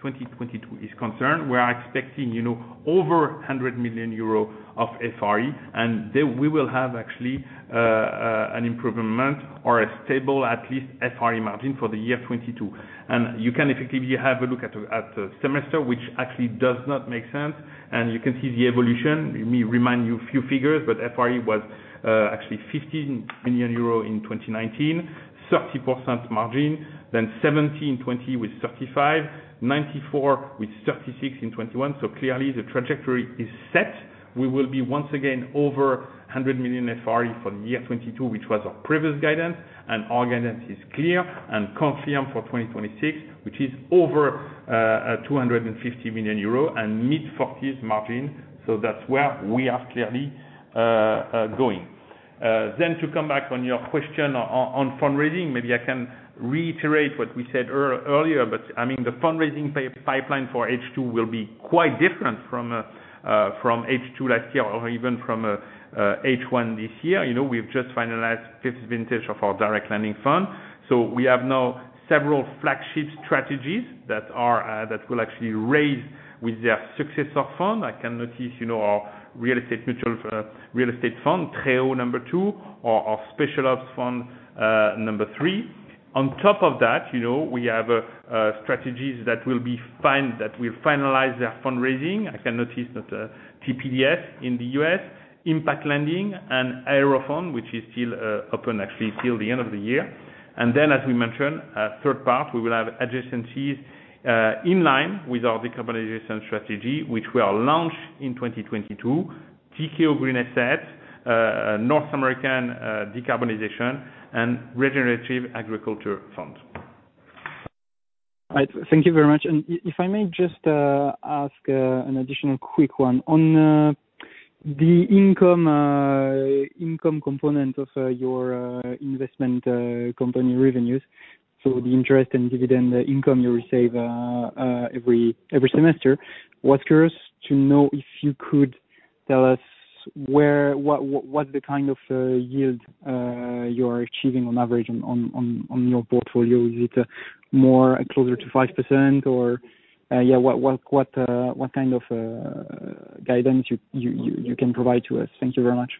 2022 is concerned, we are expecting, you know, over 100 million euro of FRE, and there we will have actually an improvement or a stable, at least FRE margin for the year 2022. You can effectively have a look at the semester, which actually does not make sense. You can see the evolution. Let me remind you a few figures, but FRE was actually 15 million euro in 2019, 30% margin, then 17 million in 2020 with 35%, 94 million with 36% in 2021. Clearly the trajectory is set. We will be once again over 100 million FRE for the year 2022, which was our previous guidance. Our guidance is clear and confirmed for 2026, which is over 250 million euros and mid-40s margin. That's where we are clearly going. To come back on your question on fundraising, maybe I can reiterate what we said earlier, but I mean, the fundraising pipeline for H2 will be quite different from H2 last year or even from H1 this year. You know, we've just finalized fifth vintage of our direct lending fund. We have now several flagship strategies that will actually raise with their successor fund. I can mention, you know, our real estate fund, TREO II, or our specialized fund, number three. On top of that, you know, we have strategies that will finalize their fundraising. I mention that TPDS in the U.S., impact lending and Aéro Fund, which is still open actually till the end of the year. Then as we mentioned, third part, we will have adjacencies in line with our decarbonization strategy, which we launched in 2022. TKO Green Assets, North American Decarbonization and Regenerative Agriculture Fund. All right. Thank you very much. If I may just ask an additional quick one. On the income component of your investment company revenues, so the interest and dividend income you receive every semester. Was curious to know if you could tell us where what the kind of yield you are achieving on average on your portfolio. Is it more closer to 5% or yeah what kind of guidance you can provide to us? Thank you very much.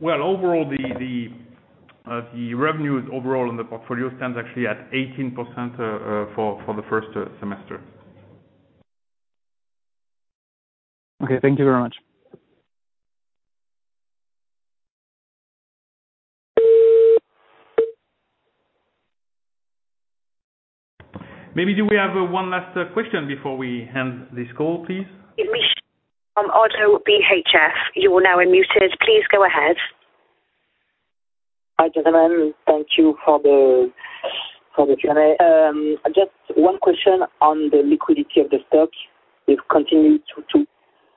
Well, overall the revenues overall on the portfolio stands actually at 18% for the first semester. Okay. Thank you very much. Maybe do we have one last question before we end this call, please? It's MICHALET from ODDO BHF. You are now unmuted. Please go ahead. Hi, gentlemen. Thank you for the Q&A. Just one question on the liquidity of the stocks. You've continued to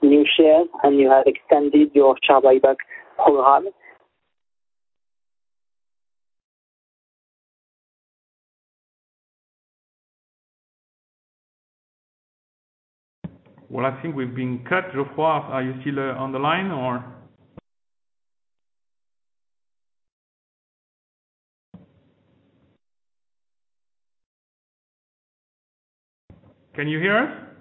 issue new shares, and you have extended your share buyback program. Well, I think we've been cut. Geoffroy, are you still on the line, or? Can you hear?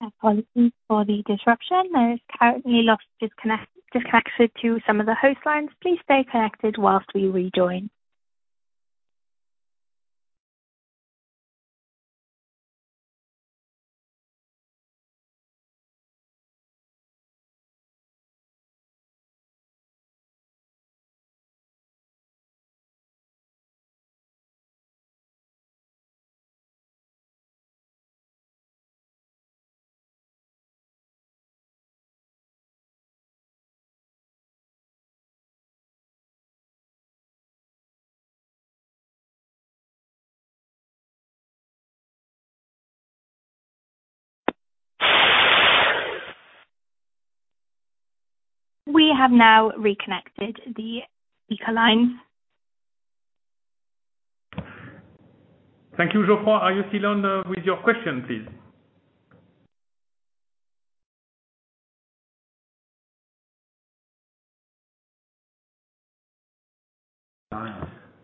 I apologize for the disruption. There is currently a loss of connection to some of the host lines. Please stay connected while we rejoin. We have now reconnected the speaker line. Thank you. Geoffroy, are you still on with your question, please?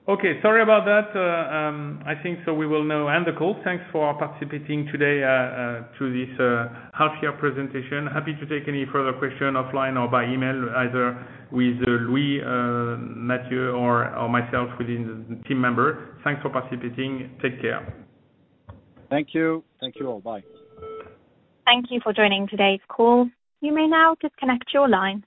Okay, sorry about that. I think so we will now end the call. Thanks for participating today to this half year presentation. Happy to take any further question offline or by email, either with Louis, Mathieu or myself within the team members. Thanks for participating. Take care. Thank you. Thank you all. Bye. Thank you for joining today's call. You may now disconnect your line.